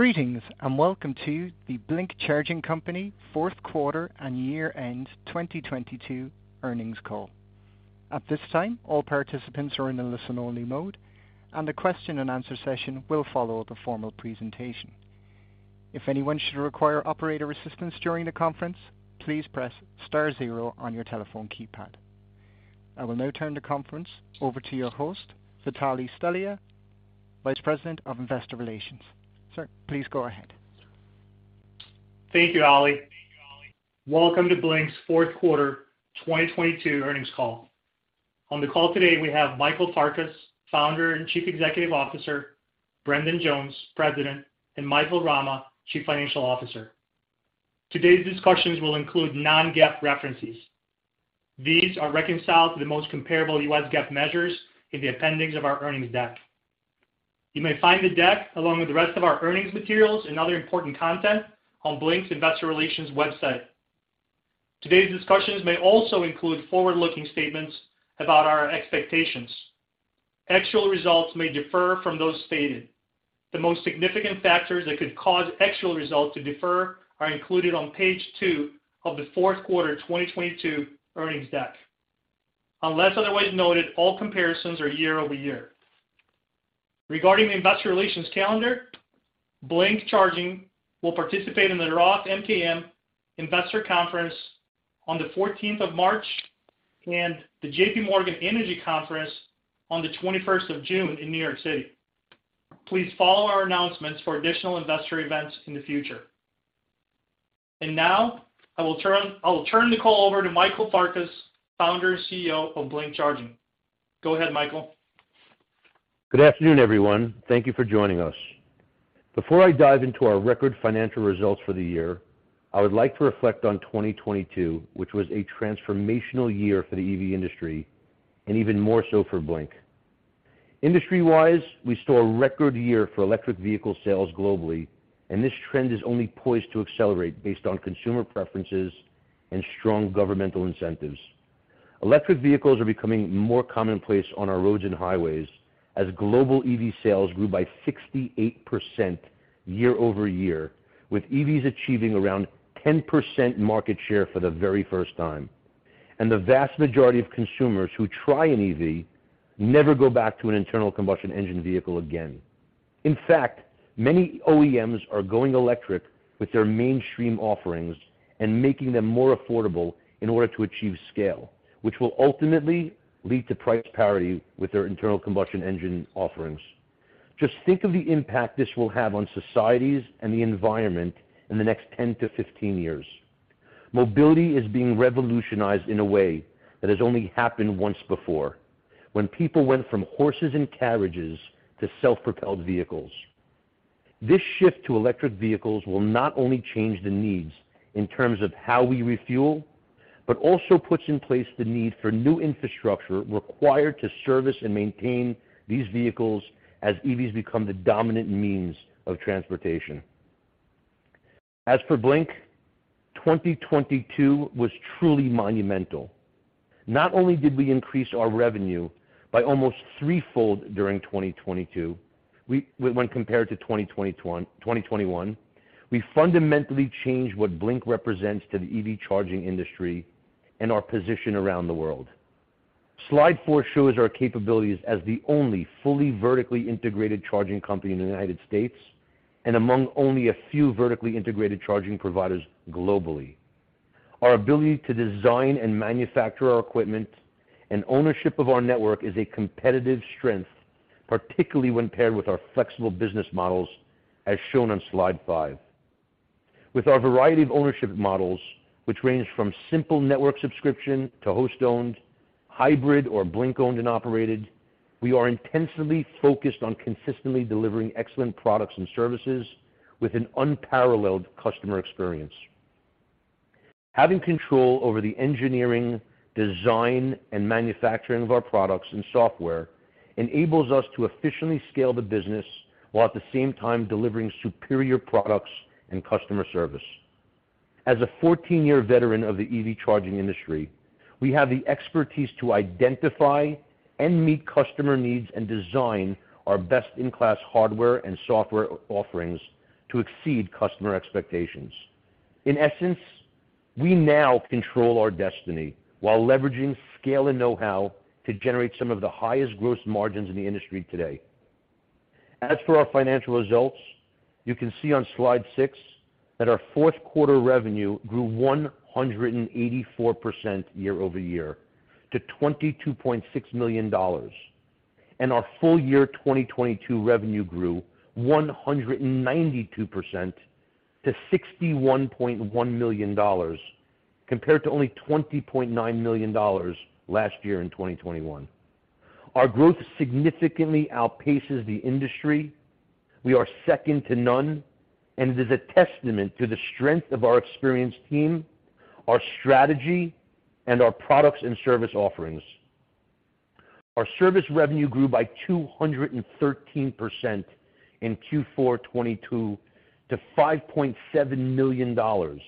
Greetings, welcome to the Blink Charging Co. Q4 and year-end 2022 earnings call. At this time, all participants are in a listen-only mode and the question and answer session will follow the formal presentation. If anyone should require operator assistance during the conference, please press star zero on your telephone keypad. I will now turn the conference over to your host, Vitalie Stelea, Vice President of Investor Relations. Sir, please go ahead. Thank you, Ally. Welcome to Blink's Q4 2022 earnings call. On the call today we have Michael D. Farkas, Founder and Chief Executive Officer, Brendan Jones, President, and Michael Rama, Chief Financial Officer. Today's discussions will include non-GAAP references. These are reconciled to the most comparable U.S. GAAP measures in the appendix of our earnings deck. You may find the deck along with the rest of our earnings materials and other important content on Blink's Investor Relations website. Today's discussions may also include forward-looking statements about our expectations. Actual results may differ from those stated. The most significant factors that could cause actual results to differ are included on page two of the Q4 2022 earnings deck. Unless otherwise noted, all comparisons are quarter-over-quarter. Regarding the investor relations calendar, Blink Charging will participate in the Roth MKM Investor Conference on the 14th of March and the JPMorgan Energy Conference on the 21st of June in New York City. Please follow our announcements for additional investor events in the future. Now, I will turn the call over to Michael Farkas, Founder and CEO of Blink Charging. Go ahead, Michael. Good afternoon, everyone. Thank you for joining us. Before I dive into our record financial results for the year, I would like to reflect on 2022, which was a transformational year for the EV industry and even more so for Blink. Industry-wise, we saw a record year for electric vehicle sales globally. This trend is only poised to accelerate based on consumer preferences and strong governmental incentives. Electric vehicles are becoming more commonplace on our roads and highways as global EV sales grew by 68% quarter-over-quarter, with EVs achieving around 10% market share for the very first time. The vast majority of consumers who try an EV never go back to an internal combustion engine vehicle again. In fact, many OEMs are going electric with their mainstream offerings and making them more affordable in order to achieve scale, which will ultimately lead to price parity with their internal combustion engine offerings. Just think of the impact this will have on societies and the environment in the next 10 to 15 years. Mobility is being revolutionized in a way that has only happened once before, when people went from horses and carriages to self-propelled vehicles. This shift to electric vehicles will not only change the needs in terms of how we refuel, but also puts in place the need for new infrastructure required to service and maintain these vehicles as EVs become the dominant means of transportation. As for Blink, 2022 was truly monumental. Not only did we increase our revenue by almost threefold during 2022, when compared to 2021, we fundamentally changed what Blink represents to the EV charging industry and our position around the world. Slide four shows our capabilities as the only fully vertically integrated charging company in the United States and among only a few vertically integrated charging providers globally. Our ability to design and manufacture our equipment and ownership of our network is a competitive strength, particularly when paired with our flexible business models as shown on slide 5. With our variety of ownership models, which range from simple network subscription to host-owned, hybrid or Blink owned and operated, we are intentionally focused on consistently delivering excellent products and services with an unparalleled customer experience. Having control over the engineering, design, and manufacturing of our products and software enables us to efficiently scale the business while at the same time delivering superior products and customer service. As a 14-year veteran of the EV charging industry, we have the expertise to identify and meet customer needs and design our best-in-class hardware and software offerings to exceed customer expectations. In essence, we now control our destiny while leveraging scale and know-how to generate some of the highest gross margins in the industry today. As for our financial results, you can see on slide six that our Q4 revenue grew 184% quarter-over-quarter to $22.6 million. Our full year 2022 revenue grew 192% to $61.1 million compared to only $20.9 million last year in 2021. Our growth significantly outpaces the industry. We are second to none, and it is a testament to the strength of our experienced team, our strategy, and our products and service offerings. Our service revenue grew by 213% in Q4 2022 to $5.7 million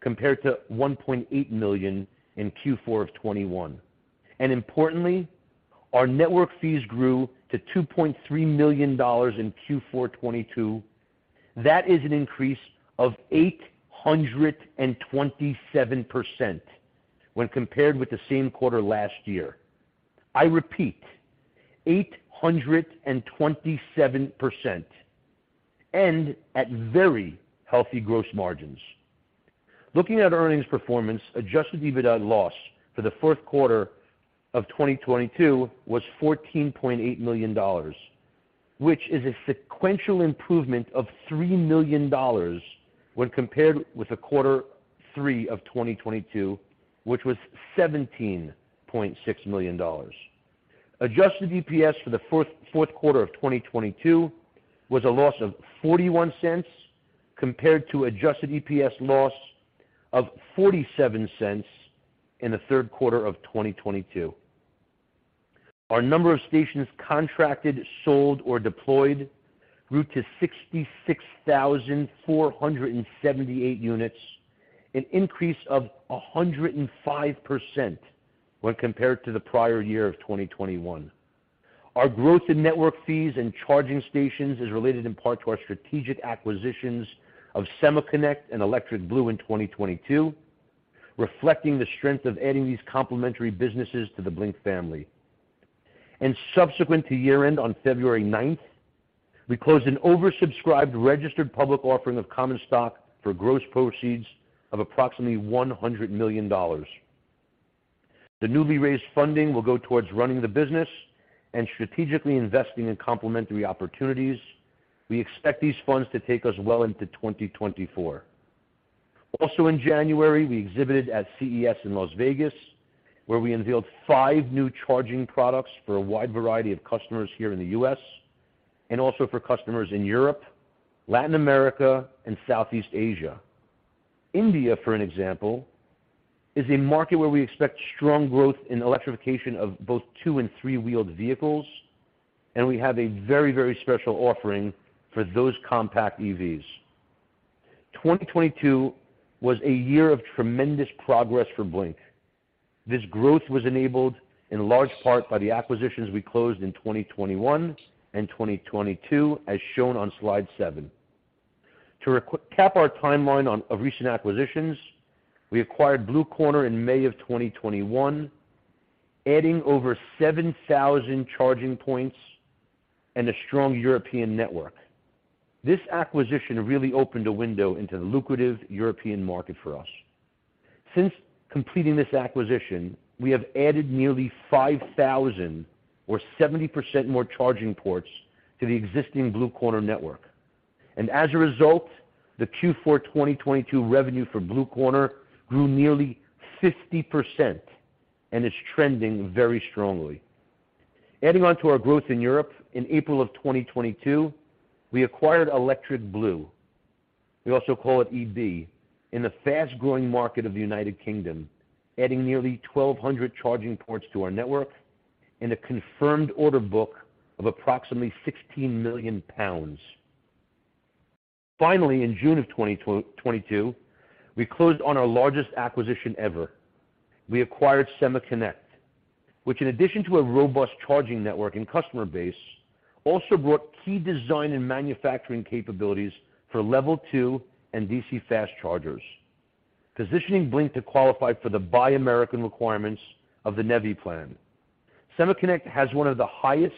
compared to $1.8 million in Q4 2021. Importantly, Our network fees grew to $2.3 million in Q4 '22. That is an increase of 827% when compared with the same quarter last year. I repeat, 827%, and at very healthy gross margins. Looking at earnings performance, adjusted EBITDA loss for the Q4 of 2022 was $14.8 million, which is a sequential improvement of $3 million when compared with the Q3 of 2022, which was $17.6 million. Adjusted EPS for the Q4 of 2022 was a loss of $0.41 compared to adjusted EPS loss of $0.47 in the Q3 of 2022. Our number of stations contracted, sold, or deployed grew to 66,478 units, an increase of 105% when compared to the prior year of 2021. Our growth in network fees and charging stations is related in part to our strategic acquisitions of SemaConnect and Electric Blue in 2022, reflecting the strength of adding these complementary businesses to the Blink family. Subsequent to year-end on February ninth, we closed an oversubscribed registered public offering of common stock for gross proceeds of approximately $100 million. The newly raised funding will go towards running the business and strategically investing in complementary opportunities. We expect these funds to take us well into 2024. Also in January, we exhibited at CES in Las Vegas, where we unveiled five new charging products for a wide variety of customers here in the U.S. and also for customers in Europe, Latin America, and Southeast Asia. India, for an example, is a market where we expect strong growth in electrification of both two and three-wheeled vehicles, and we have a very special offering for those compact EVs. 2022 was a year of tremendous progress for Blink. This growth was enabled in large part by the acquisitions we closed in 2021 and 2022, as shown on slide seven. To cap our timeline of recent acquisitions, we acquired BlueCorner in May of 2021, adding over 7,000 charging points and a strong European network. This acquisition really opened a window into the lucrative European market for us. Since completing this acquisition, we have added nearly 5,000, or 70% more charging ports to the existing BlueCorner network. As a result, the Q4 2022 revenue for BlueCorner grew nearly 50% and is trending very strongly. Adding on to our growth in Europe, in April of 2022, we acquired Electric Blue, we also call it EB, in the fast-growing market of the United Kingdom, adding nearly 1,200 charging ports to our network and a confirmed order book of approximately 16 million pounds. In June of 2022, we closed on our largest acquisition ever. We acquired SemaConnect, which in addition to a robust charging network and customer base, also brought key design and manufacturing capabilities for level two and DC fast chargers, positioning Blink to qualify for the Buy American requirements of the NEVI plan. SemaConnect has one of the highest,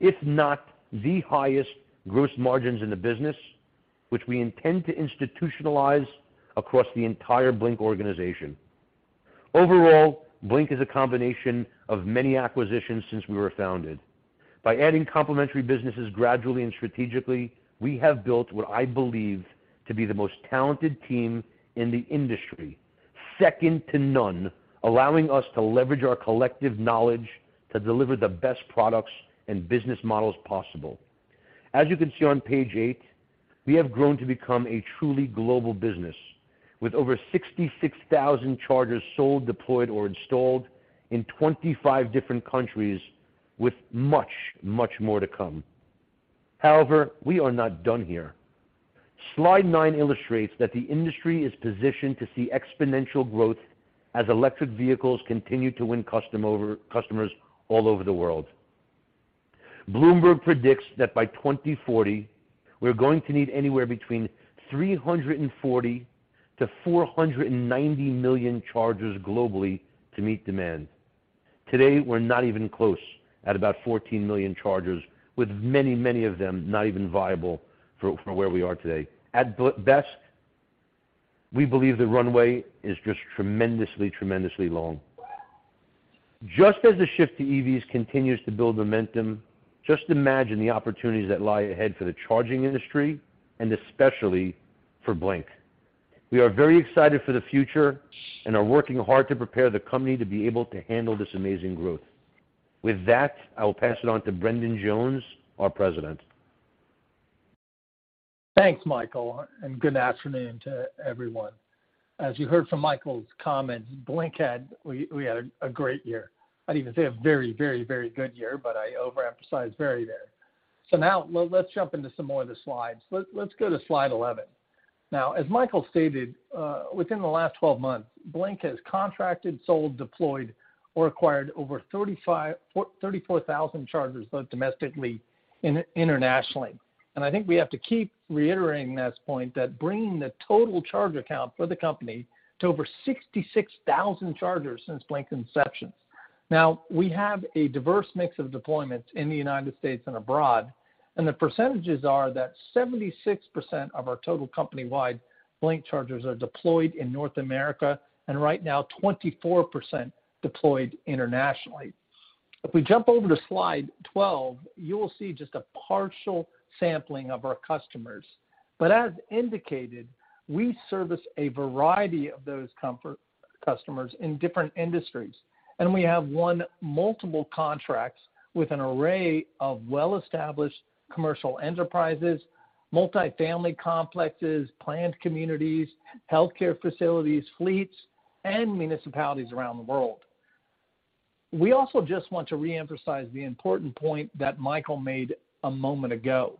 if not the highest, gross margins in the business, which we intend to institutionalize across the entire Blink organization. Blink is a combination of many acquisitions since we were founded. By adding complementary businesses gradually and strategically, we have built what I believe to be the most talented team in the industry, second to none, allowing us to leverage our collective knowledge to deliver the best products and business models possible. As you can see on page eight, we have grown to become a truly global business with over 66,000 chargers sold, deployed, or installed in 25 different countries with much, much more to come. We are not done here. Slide nine illustrates that the industry is positioned to see exponential growth as electric vehicles continue to win customers all over the world. Bloomberg predicts that by 2040, we're going to need anywhere between 340 million to 490 million chargers globally to meet demand. Today, we're not even close, at about 14 million chargers, with many of them not even viable for where we are today. At best, we believe the runway is just tremendously long. Just as the shift to EVs continues to build momentum, just imagine the opportunities that lie ahead for the charging industry and especially for Blink. We are very excited for the future and are working hard to prepare the company to be able to handle this amazing growth. I will pass it on to Brendan Jones, our President. Thanks, Michael. Good afternoon to everyone. As you heard from Michael's comments, Blink we had a great year. I'd even say a very, very, very good year, I overemphasized very there. Now let's jump into some more of the slides. Let's go to slide 11. Now, as Michael stated, within the last 12 months, Blink has contracted, sold, deployed, or acquired over 34,000 chargers, both domestically and internationally. I think we have to keep reiterating this point that bringing the total charge account for the company to over 66,000 chargers since Blink's inception. Now, we have a diverse mix of deployments in the United States and abroad, and the percentages are that 76% of our total company-wide Blink chargers are deployed in North America, and right now, 24% deployed internationally. If we jump over to slide 12, you will see just a partial sampling of our customers. As indicated, we service a variety of those customers in different industries, we have won multiple contracts with an array of well-established commercial enterprises, multi-family complexes, planned communities, healthcare facilities, fleets, and municipalities around the world. We also just want to reemphasize the important point that Michael made a moment ago,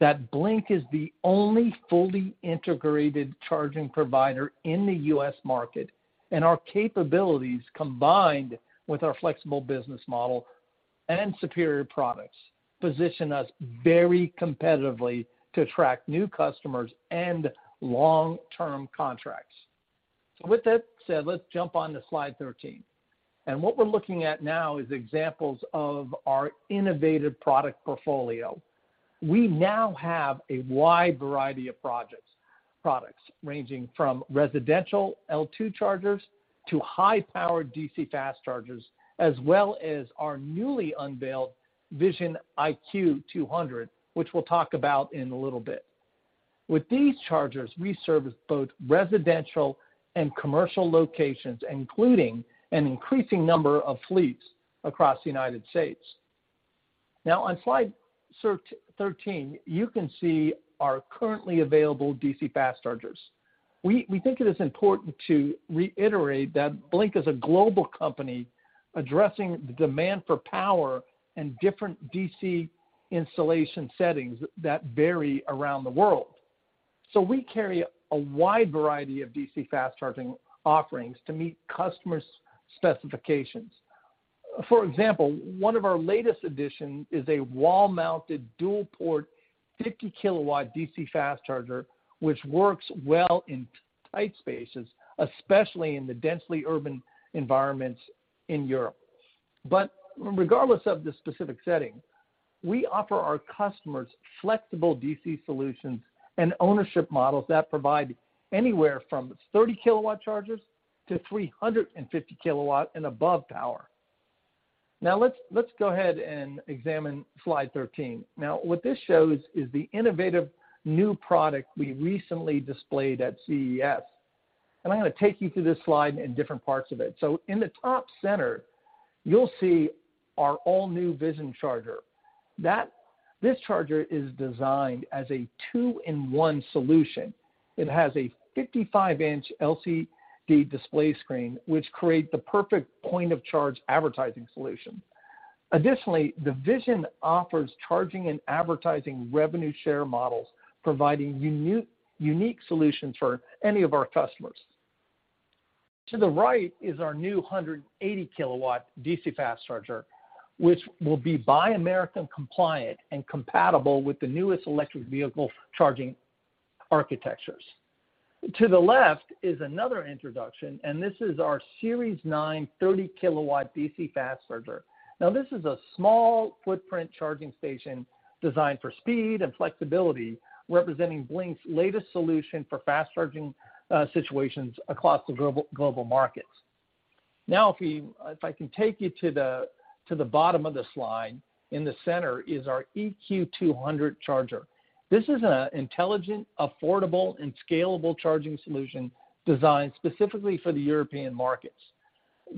that Blink is the only fully integrated charging provider in the U.S. market, and our capabilities, combined with our flexible business model and superior products, position us very competitively to attract new customers and long-term contracts. With that said, let's jump on to slide 13. What we're looking at now is examples of our innovative product portfolio. We now have a wide variety of products, ranging from residential L2 chargers to high-powered DC fast chargers, as well as our newly unveiled Vision IQ 200, which we'll talk about in a little bit. With these chargers, we service both residential and commercial locations, including an increasing number of fleets across the U.S. On slide 13, you can see our currently available DC fast chargers. We think it is important to reiterate that Blink is a global company addressing the demand for power in different DC installation settings that vary around the world. We carry a wide variety of DC fast charging offerings to meet customers' specifications. For example, one of our latest addition is a wall-mounted dual port 50 kW DC fast charger, which works well in tight spaces, especially in the densely urban environments in Europe. Regardless of the specific setting, we offer our customers flexible DC solutions and ownership models that provide anywhere from 30 kW chargers to 350 kW and above power. Let's, let's go ahead and examine slide 13. What this shows is the innovative new product we recently displayed at CES. I'm gonna take you through this slide in different parts of it. In the top center, you'll see our all-new Vision charger. This charger is designed as a two-in-one solution. It has a 55-inch LCD display screen, which create the perfect point of charge advertising solution. Additionally, the Vision offers charging and advertising revenue share models, providing unique solutions for any of our customers. To the right is our new 180 kilowatt DC fast charger, which will be Buy American compliant and compatible with the newest electric vehicle charging architectures. To the left is another introduction, and this is our Series 9 30-kilowatt DC fast charger. This is a small footprint charging station designed for speed and flexibility, representing Blink's latest solution for fast charging situations across the global markets. If I can take you to the bottom of this slide, in the center is our EQ200 charger. This is an intelligent, affordable, and scalable charging solution designed specifically for the European markets.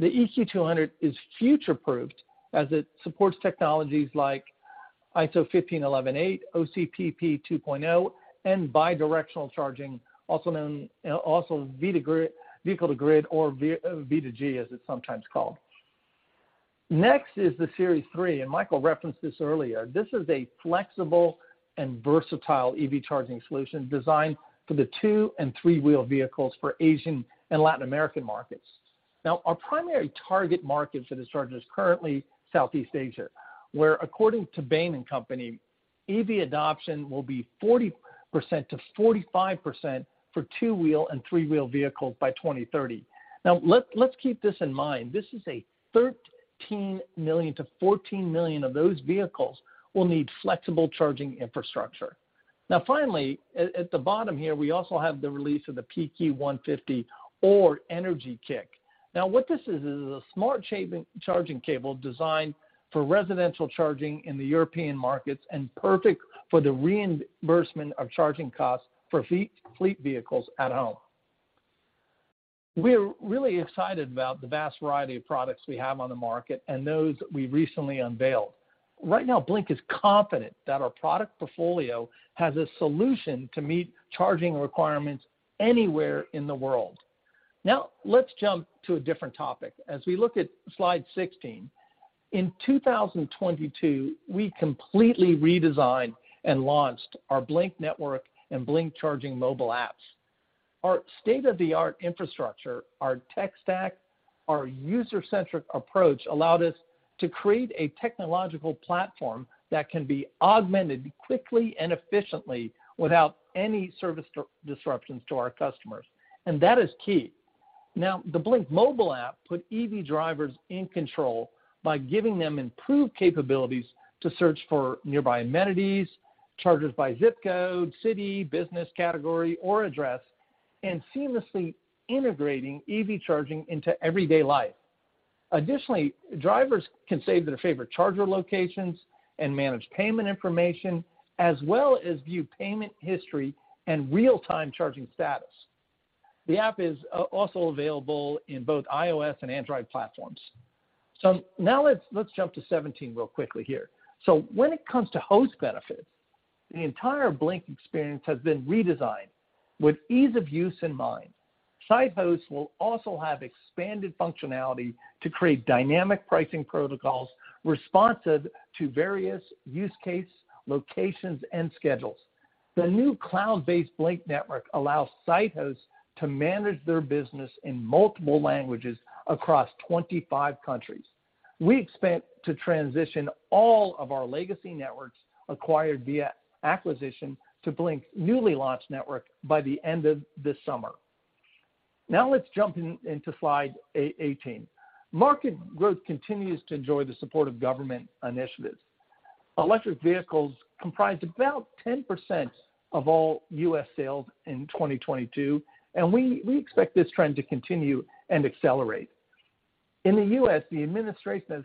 The EQ200 is future-proofed as it supports technologies like ISO 15118, OCPP 2.0, and bidirectional charging, also known as vehicle-to-grid, or V2G as it's sometimes called. Next is the Series three, and Michael referenced this earlier. This is a flexible and versatile EV charging solution designed for the two- and three-wheeled vehicles for Asian and Latin American markets. Our primary target market for this charger is currently Southeast Asia, where according to Bain & Company, EV adoption will be 40%-45% for two-wheel and three-wheel vehicles by 2030. Let's keep this in mind. This is a 13 million-14 million of those vehicles will need flexible charging infrastructure. Finally, at the bottom here, we also have the release of the PQ 150 or Energy Kick. What this is is a smart charging cable designed for residential charging in the European markets and perfect for the reimbursement of charging costs for fleet vehicles at home. We're really excited about the vast variety of products we have on the market and those we recently unveiled. Blink is confident that our product portfolio has a solution to meet charging requirements anywhere in the world. Let's jump to a different topic. As we look at slide 16, in 2022, we completely redesigned and launched our Blink Network and Blink Charging mobile apps. Our state-of-the-art infrastructure, our tech stack, our user-centric approach allowed us to create a technological platform that can be augmented quickly and efficiently without any service disruptions to our customers, and that is key. The Blink mobile app put EV drivers in control by giving them improved capabilities to search for nearby amenities, chargers by zip code, city, business category, or address, and seamlessly integrating EV charging into everyday life. Additionally, drivers can save their favorite charger locations and manage payment information, as well as view payment history and real-time charging status. The app is also available in both iOS and Android platforms. Now let's jump to 17 real quickly here. When it comes to host benefits, the entire Blink experience has been redesigned with ease of use in mind. Site hosts will also have expanded functionality to create dynamic pricing protocols responsive to various use case locations and schedules. The new cloud-based Blink Network allows site hosts to manage their business in multiple languages across 25 countries. We expect to transition all of our legacy networks acquired via acquisition to Blink's newly launched network by the end of this summer. Let's jump into slide 18. Market growth continues to enjoy the support of government initiatives. Electric vehicles comprised about 10% of all US sales in 2022, and we expect this trend to continue and accelerate. In the U.S., the administration has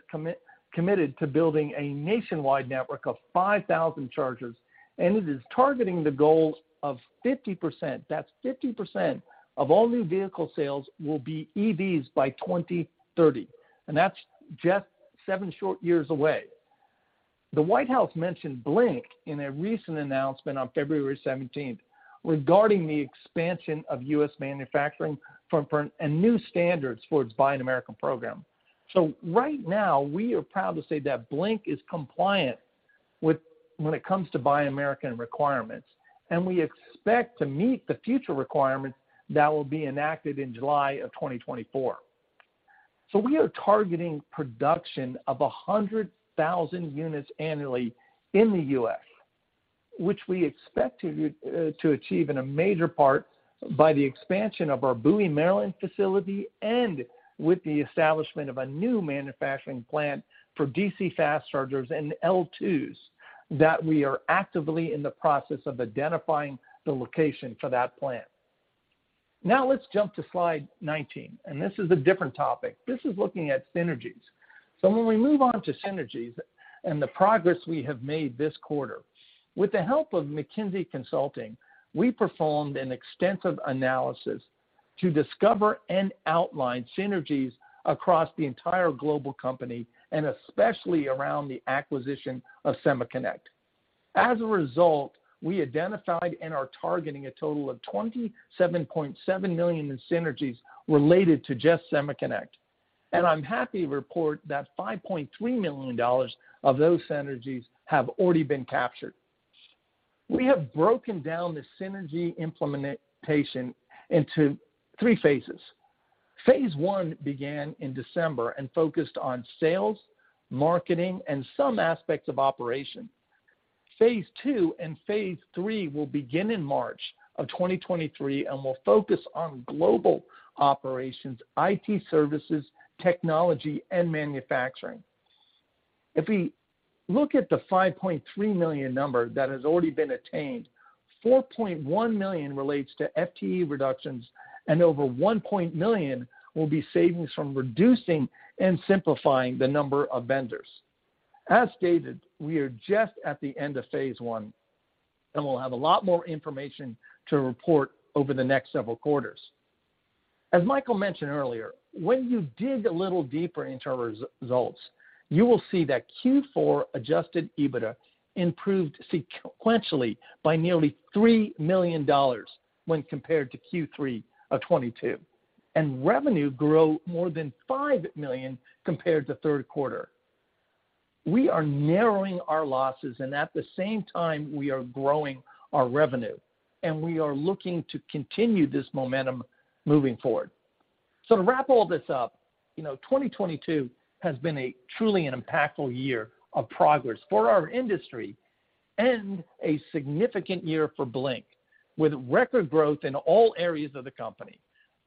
committed to building a nationwide network of 5,000 chargers, and it is targeting the goal of 50%, that's 50%, of all new vehicle sales will be EVs by 2030, and that's just seven short years away. The White House mentioned Blink in a recent announcement on February 17th regarding the expansion of U.S. manufacturing for and new standards for its Buy American program. Right now, we are proud to say that Blink is compliant with when it comes to Buy American requirements, and we expect to meet the future requirements that will be enacted in July of 2024. We are targeting production of 100,000 units annually in the U.S., which we expect to achieve in a major part by the expansion of our Bowie, Maryland, facility and with the establishment of a new manufacturing plant for DC fast chargers and L2s that we are actively in the process of identifying the location for that plant. Now let's jump to slide 19, and this is a different topic. This is looking at synergies. When we move on to synergies and the progress we have made this quarter, with the help of McKinsey Consulting, we performed an extensive analysis to discover and outline synergies across the entire global company and especially around the acquisition of SemaConnect. As a result, we identified and are targeting a total of $27.7 million in synergies related to just SemaConnect. I'm happy to report that $5.3 million of those synergies have already been captured. We have broken down the synergy implementation into three phases. Phase one began in December and focused on sales, marketing, and some aspects of operations. Phase two and Phase three will begin in March of 2023 and will focus on global operations, IT services, technology, and manufacturing. If we look at the $5.3 million number that has already been attained, $4.1 million relates to FTE reductions, and over $1 million will be savings from reducing and simplifying the number of vendors. As stated, we are just at the end of Phase one, and we'll have a lot more information to report over the next several quarters. As Michael mentioned earlier, when you dig a little deeper into our results, you will see that Q4 adjusted EBITDA improved sequentially by nearly $3 million when compared to Q3 of 2022, and revenue grew more than $5 million compared to Q3. We are narrowing our losses, and at the same time, we are growing our revenue, and we are looking to continue this momentum moving forward. To wrap all this up, you know, 2022 has been a truly an impactful year of progress for our industry and a significant year for Blink. With record growth in all areas of the company,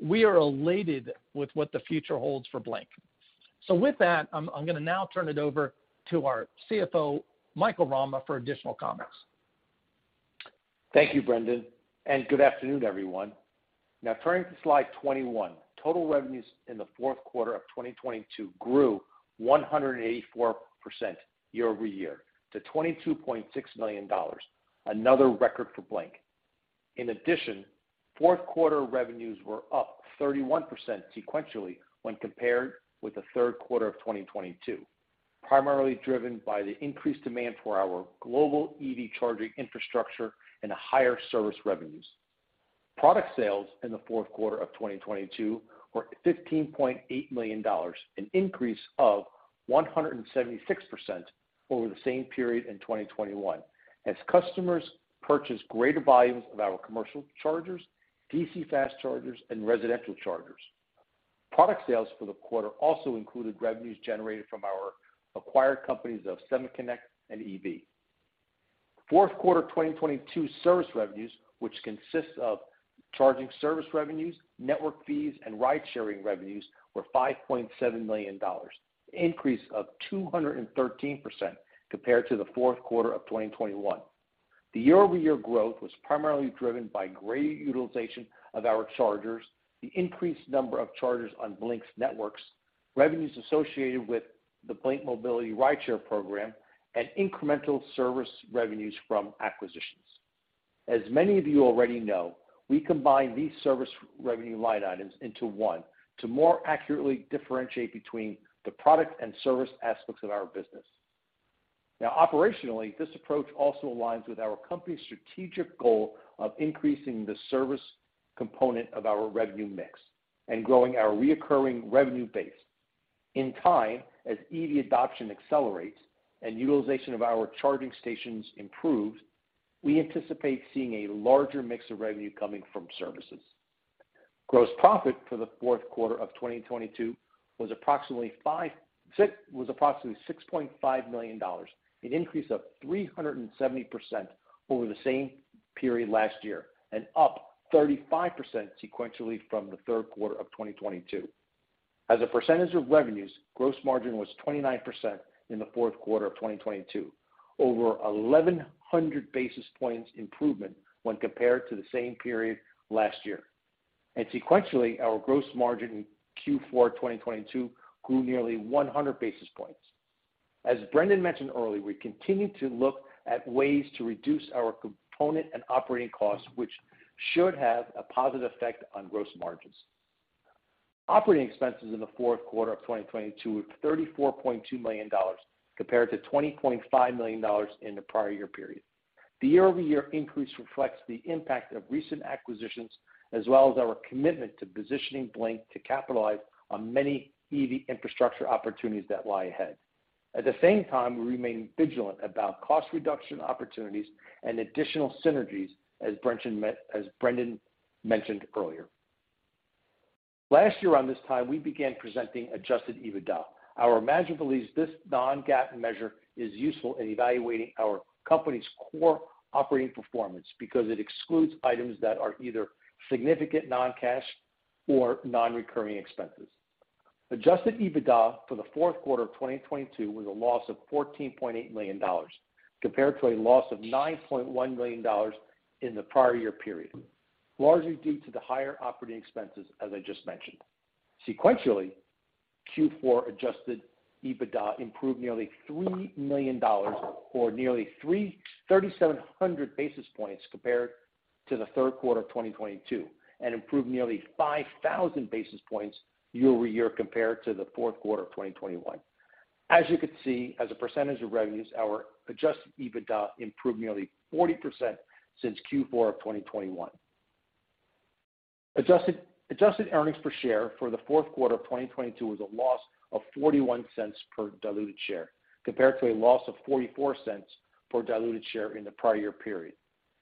we are elated with what the future holds for Blink. With that, I'm gonna now turn it over to our CFO, Michael Rama, for additional comments. Thank you, Brendan, and good afternoon, everyone. Now turning to slide 21. Total revenues in the Q4 of 2022 grew 184% quarter-over-quarter to $22.6 million, another record for Blink. In addition, Q4 revenues were up 31% sequentially when compared with the Q3 of 2022, primarily driven by the increased demand for our global EV charging infrastructure and higher service revenues. Product sales in the Q4 of 2022 were $15.8 million, an increase of 176% over the same period in 2021 as customers purchased greater volumes of our commercial chargers, DC fast chargers and residential chargers. Product sales for the quarter also included revenues generated from our acquired companies of SemaConnect and EB Charging. Fourth quarter of 2022 service revenues, which consists of charging service revenues, network fees and ride-sharing revenues were $5.7 million, increase of 213% compared to the Q4 of 2021. The quarter-over-quarter growth was primarily driven by greater utilization of our chargers, the increased number of chargers on Blink's networks, revenues associated with the Blink Mobility Rideshare program and incremental service revenues from acquisitions. As many of you already know, we combine these service revenue line items into one to more accurately differentiate between the product and service aspects of our business. Now operationally, this approach also aligns with our company's strategic goal of increasing the service component of our revenue mix and growing our recurring revenue base. In time, as EV adoption accelerates and utilization of our charging stations improves, we anticipate seeing a larger mix of revenue coming from services. Gross profit for the Q4 of 2022 was approximately $6.5 million, an increase of 370% over the same period last year and up 35% sequentially from the Q3 of 2022. As a percentage of revenues, gross margin was 29% in the Q4 of 2022, over 1,100 basis points improvement when compared to the same period last year. Sequentially, our gross margin in Q4 2022 grew nearly 100 basis points. As Brendan mentioned earlier, we continue to look at ways to reduce our component and operating costs, which should have a positive effect on gross margins. Operating expenses in the Q4 of 2022 were $34.2 million compared to $20.5 million in the prior year period. The quarter-over-quarter increase reflects the impact of recent acquisitions as well as our commitment to positioning Blink to capitalize on many EV infrastructure opportunities that lie ahead. At the same time, we remain vigilant about cost reduction opportunities and additional synergies as Brendan mentioned earlier. Last year around this time, we began presenting adjusted EBITDA. Our management believes this non-GAAP measure is useful in evaluating our company's core operating performance because it excludes items that are either significant non-cash or non-recurring expenses. Adjusted EBITDA for the Q4 of 2022 was a loss of $14.8 million compared to a loss of $9.1 million in the prior year period, largely due to the higher operating expenses, as I just mentioned. Sequentially, Q4 adjusted EBITDA improved nearly $3 million or nearly 3,700 basis points compared to the Q3 of 2022 and improved nearly 5,000 basis points quarter-over-quarter compared to the Q4 of 2021. As you can see, as a percentage of revenues, our adjusted EBITDA improved nearly 40% since Q4 of 2021. Adjusted earnings per share for the Q4 of 2022 was a loss of $0.41 per diluted share, compared to a loss of $0.44 per diluted share in the prior year period.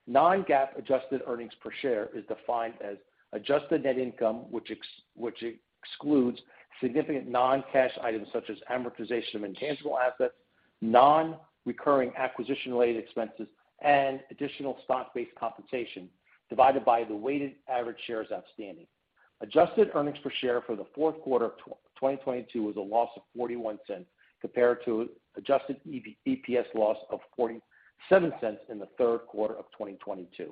non-GAAP adjusted earnings per share is defined as adjusted net income, which excludes significant non-cash items such as amortization of intangible assets, non-recurring acquisition-related expenses, and additional stock-based compensation divided by the weighted average shares outstanding. Adjusted earnings per share for the Q4 of 2022 was a loss of $0.41 compared to adjusted EPS loss of $0.47 in the Q3 of 2022.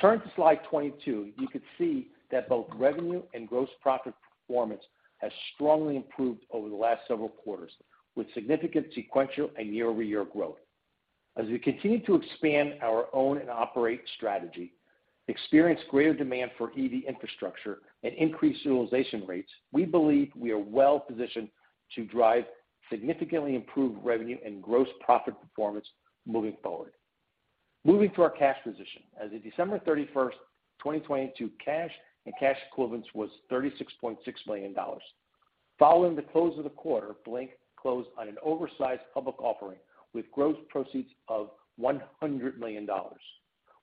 Turning to slide 22, you could see that both revenue and gross profit performance has strongly improved over the last several quarters with significant sequential and quarter-over-quarter growth. As we continue to expand our own and operate strategy, experience greater demand for EV infrastructure and increase utilization rates, we believe we are well positioned to drive significantly improved revenue and gross profit performance moving forward. Moving to our cash position. As of December 31st, 2022, cash and cash equivalents was $36.6 million. Following the close of the quarter, Blink closed on an oversized public offering with gross proceeds of $100 million.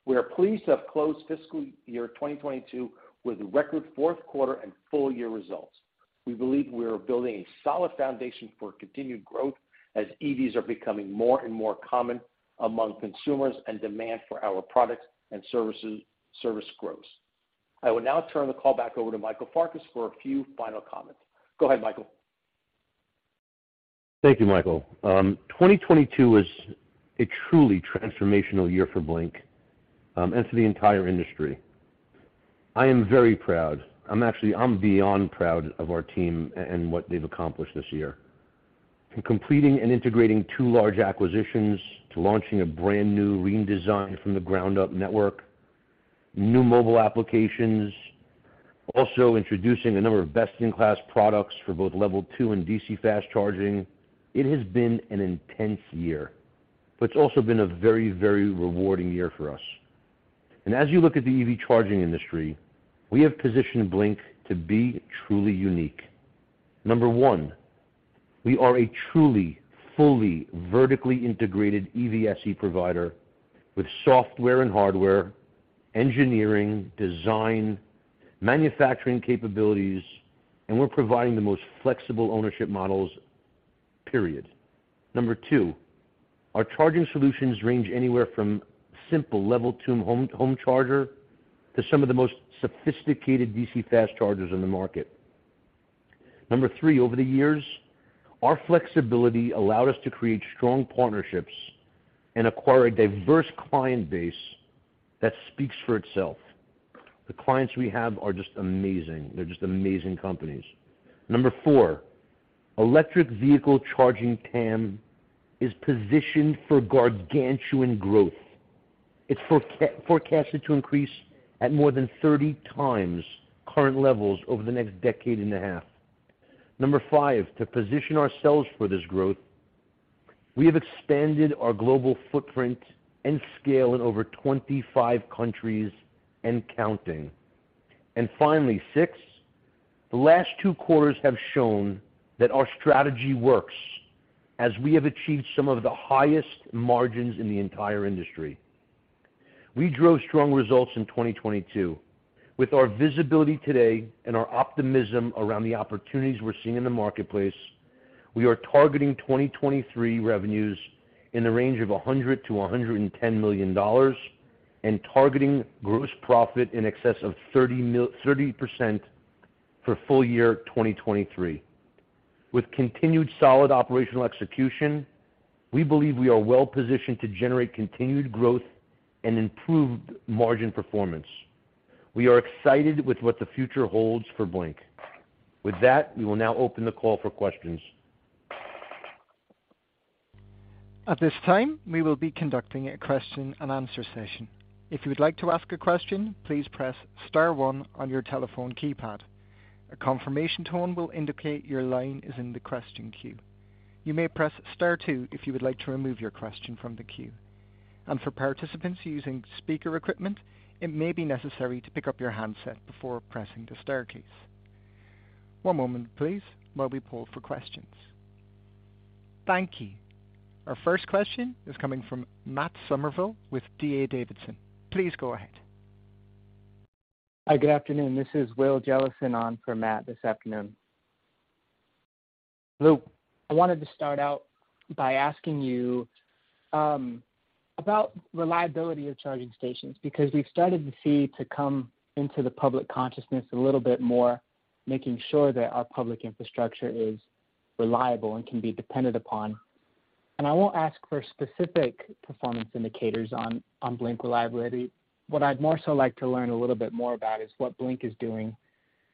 We are pleased to have closed fiscal year 2022 with record Q4 and full year results. We believe we are building a solid foundation for continued growth as EVs are becoming more and more common among consumers and demand for our products and services, service grows. I will now turn the call back over to Michael Farkas for a few final comments. Go ahead, Michael. Thank you, Michael. 2022 was a truly transformational year for Blink Charging, and to the entire industry. I am very proud. I'm actually, I'm beyond proud of our team and what they've accomplished this year. From completing and integrating two large acquisitions to launching a brand new redesign from the ground up Blink Network, new mobile applications, also introducing a number of best-in-class products for both Level 2 and DC fast charging. It has been an intense year, but it's also been a very rewarding year for us. As you look at the EV charging industry, we have positioned Blink Charging to be truly unique. Number one, we are a truly, fully vertically integrated EVSE provider with software and hardware, engineering, design, manufacturing capabilities, and we're providing the most flexible ownership models, period. Number 2, our charging solutions range anywhere from simple Level two home charger to some of the most sophisticated DC fast chargers in the market. Number three, over the years, our flexibility allowed us to create strong partnerships and acquire a diverse client base that speaks for itself. The clients we have are just amazing. They're just amazing companies. Number fourth, electric vehicle charging TAM is positioned for gargantuan growth. It's forecasted to increase at more than 30 times current levels over the next decade and a half. Number five, to position ourselves for this growth, we have expanded our global footprint and scale in over 25 countries and counting. Finally, six, the last two quarters have shown that our strategy works as we have achieved some of the highest margins in the entire industry. We drove strong results in 2022. With our visibility today and our optimism around the opportunities we're seeing in the marketplace, we are targeting 2023 revenues in the range of $100 million-$110 million and targeting gross profit in excess of 30% for full year 2023. With continued solid operational execution, we believe we are well positioned to generate continued growth and improved margin performance. We are excited with what the future holds for Blink. With that, we will now open the call for questions. At this time, we will be conducting a question and answer session. If you would like to ask a question, please press star one on your telephone keypad. A confirmation tone will indicate your line is in the question queue. You may press star two if you would like to remove your question from the queue. For participants using speaker equipment, it may be necessary to pick up your handset before pressing the star keys. One moment please while we poll for questions. Thank you. Our first question is coming from Matt Summerville with D.A. Davidson. Please go ahead. Hi, good afternoon. This is William Jellison on for Matt this afternoon. Luke, I wanted to start out by asking you about reliability of charging stations, because we've started to come into the public consciousness a little bit more, making sure that our public infrastructure is reliable and can be depended upon. I won't ask for specific performance indicators on Blink reliability. What I'd more so like to learn a little bit more about is what Blink is doing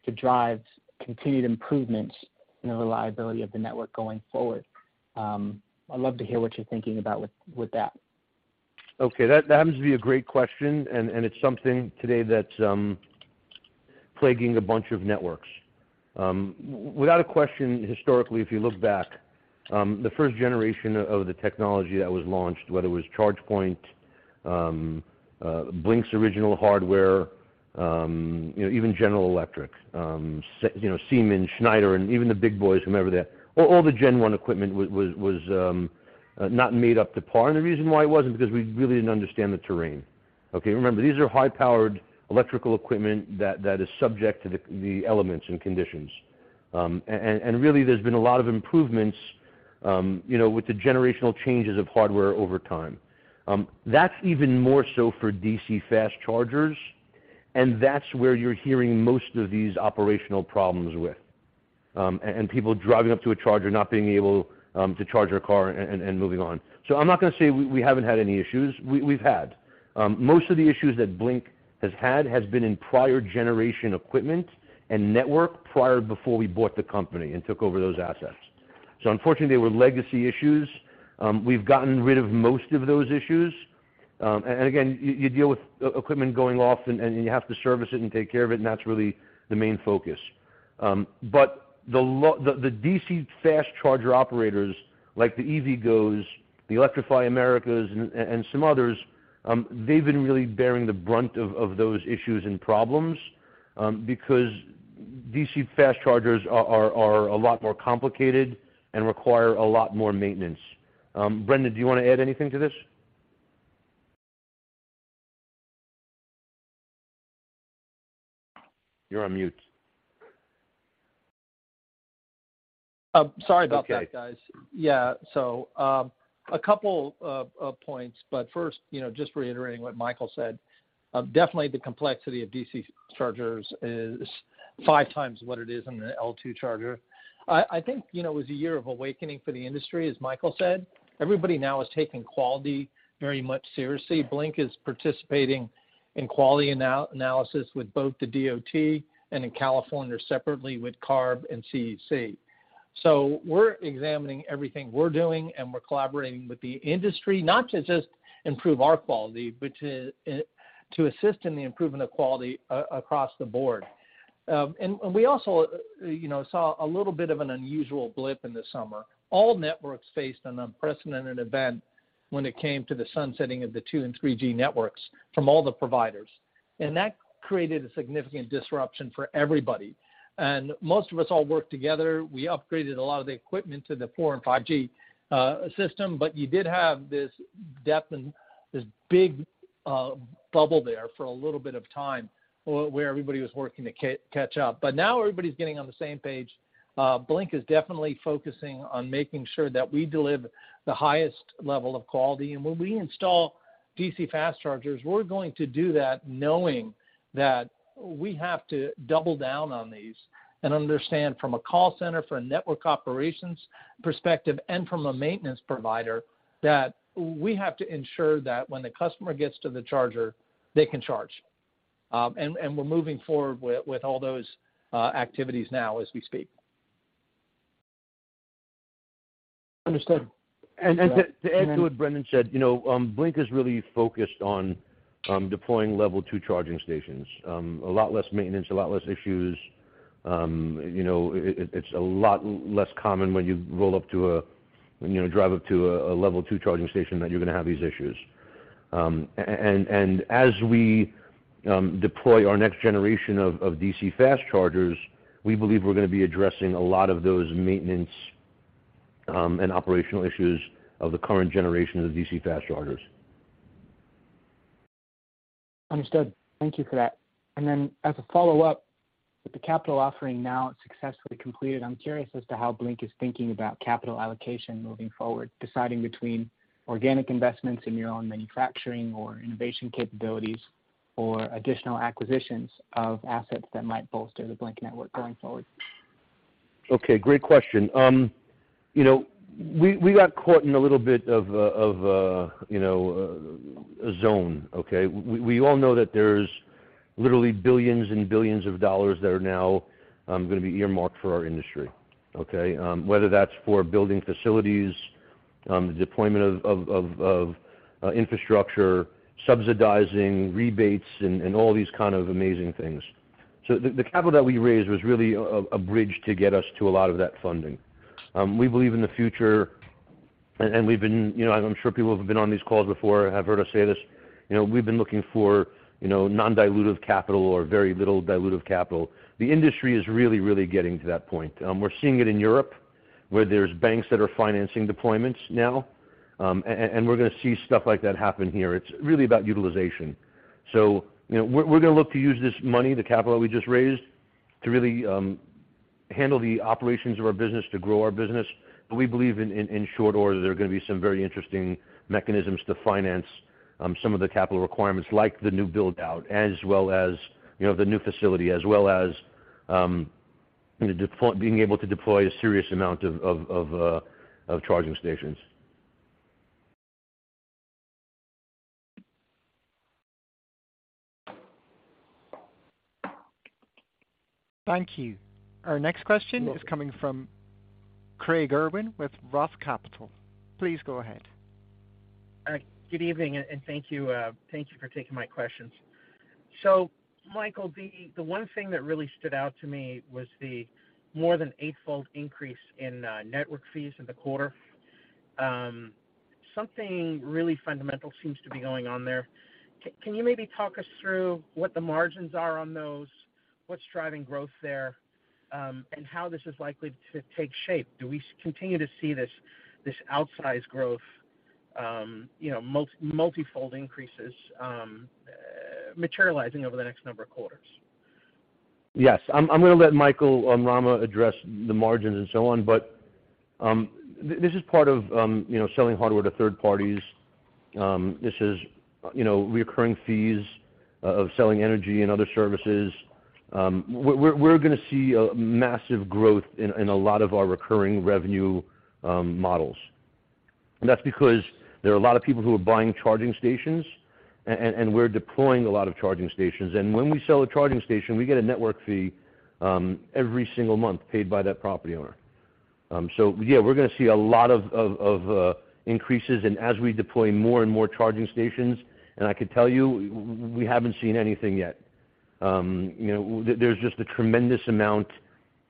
to drive continued improvements in the reliability of the network going forward. I'd love to hear what you're thinking about with that. That happens to be a great question, and it's something today that's plaguing a bunch of networks. Without a question, historically, if you look back, the first generation of the technology that was launched, whether it was ChargePoint, Blink's original hardware, you know, even General Electric, you know, Siemens, Schneider, and even the big boys, whomever they are, all the gen one equipment was not made up to par. The reason why it wasn't because we really didn't understand the terrain. Remember, these are high-powered electrical equipment that is subject to the elements and conditions. Really there's been a lot of improvements, you know, with the generational changes of hardware over time. That's even more so for DC fast chargers, that's where you're hearing most of these operational problems with, and people driving up to a charger not being able to charge their car and moving on. I'm not gonna say we haven't had any issues. We've had. Most of the issues that Blink has had has been in prior generation equipment and network prior before we bought the company and took over those assets. Unfortunately, they were legacy issues. We've gotten rid of most of those issues. Again, you deal with equipment going off and you have to service it and take care of it, and that's really the main focus. The DC fast charger operators, like the EVgo's, the Electrify Americas and some others, they've been really bearing the brunt of those issues and problems, because DC fast chargers are a lot more complicated and require a lot more maintenance. Brendan, do you wanna add anything to this? You're on mute. Sorry about that, guys. Okay. A couple of points, but first, you know, just reiterating what Michael said, definitely the complexity of DC chargers is five times what it is in the L2 charger. I think, you know, it was a year of awakening for the industry, as Michael said. Everybody now is taking quality very much seriously. Blink is participating in quality analysis with both the DOT and in California separately with CARB and CEC. So we're examining everything we're doing, and we're collaborating with the industry, not to just improve our quality, but to assist in the improvement of quality across the board. We also, you know, saw a little bit of an unusual blip in the summer. All networks faced an unprecedented event when it came to the sunsetting of the 2G and 3G networks from all the providers. That created a significant disruption for everybody. Most of us all worked together. We upgraded a lot of the equipment to the 4G and 5G system, but you did have this depth and this big bubble there for a little bit of time where everybody was working to catch up. Now everybody's getting on the same page. Blink is definitely focusing on making sure that we deliver the highest level of quality. When we install DC fast chargers, we're going to do that knowing that we have to double down on these and understand from a call center, from a network operations perspective and from a maintenance provider, that we have to ensure that when the customer gets to the charger, they can charge. And we're moving forward with all those activities now as we speak. Understood. To add to what Brendan said, you know, Blink is really focused on deploying Level two charging stations. A lot less maintenance, a lot less issues. You know, it's a lot less common when you drive up to a Level two charging station that you're gonna have these issues. As we deploy our next generation of DC fast chargers, we believe we're gonna be addressing a lot of those maintenance and operational issues of the current generation of DC fast chargers. Understood. Thank you for that. As a follow-up, with the capital offering now successfully completed, I'm curious as to how Blink is thinking about capital allocation moving forward, deciding between organic investments in your own manufacturing or innovation capabilities or additional acquisitions of assets that might bolster the Blink Network going forward. Okay, great question. you know, we got caught in a little bit of, you know, a zone, okay? We, we all know that there's literally $billions and billions that are now gonna be earmarked for our industry, okay? Whether that's for building facilities, the deployment of infrastructure, subsidizing rebates and all these kind of amazing things. The, the capital that we raised was really a bridge to get us to a lot of that funding. We believe in the future, and we've been, you know, I'm sure people who have been on these calls before have heard us say this, you know, we've been looking for, you know, non-dilutive capital or very little dilutive capital. The industry is really getting to that point. We're seeing it in Europe, where there's banks that are financing deployments now. We're gonna see stuff like that happen here. It's really about utilization. You know, we're gonna look to use this money, the capital we just raised, to really handle the operations of our business to grow our business. We believe in short order, there are gonna be some very interesting mechanisms to finance some of the capital requirements like the new build-out, as well as, you know, the new facility, as well as, you know, being able to deploy a serious amount of charging stations. Thank you. Our next question is coming from Craig Irwin with ROTH Capital. Please go ahead. All right. Good evening, and thank you for taking my questions. Michael, the one thing that really stood out to me was the more than eightfold increase in network fees in the quarter. Something really fundamental seems to be going on there. Can you maybe talk us through what the margins are on those, what's driving growth there, and how this is likely to take shape? Do we continue to see this outsized growth, you know, multifold increases, materializing over the next number of quarters? Yes. I'm gonna let Michael Rama address the margins and so on. This is part of, you know, selling hardware to third parties. This is, you know, recurring fees of selling energy and other services. We're gonna see a massive growth in a lot of our recurring revenue models. That's because there are a lot of people who are buying charging stations and we're deploying a lot of charging stations. When we sell a charging station, we get a network fee every single month paid by that property owner. Yeah, we're gonna see a lot of increases and as we deploy more and more charging stations, and I can tell you, we haven't seen anything yet. You know, there's just a tremendous amount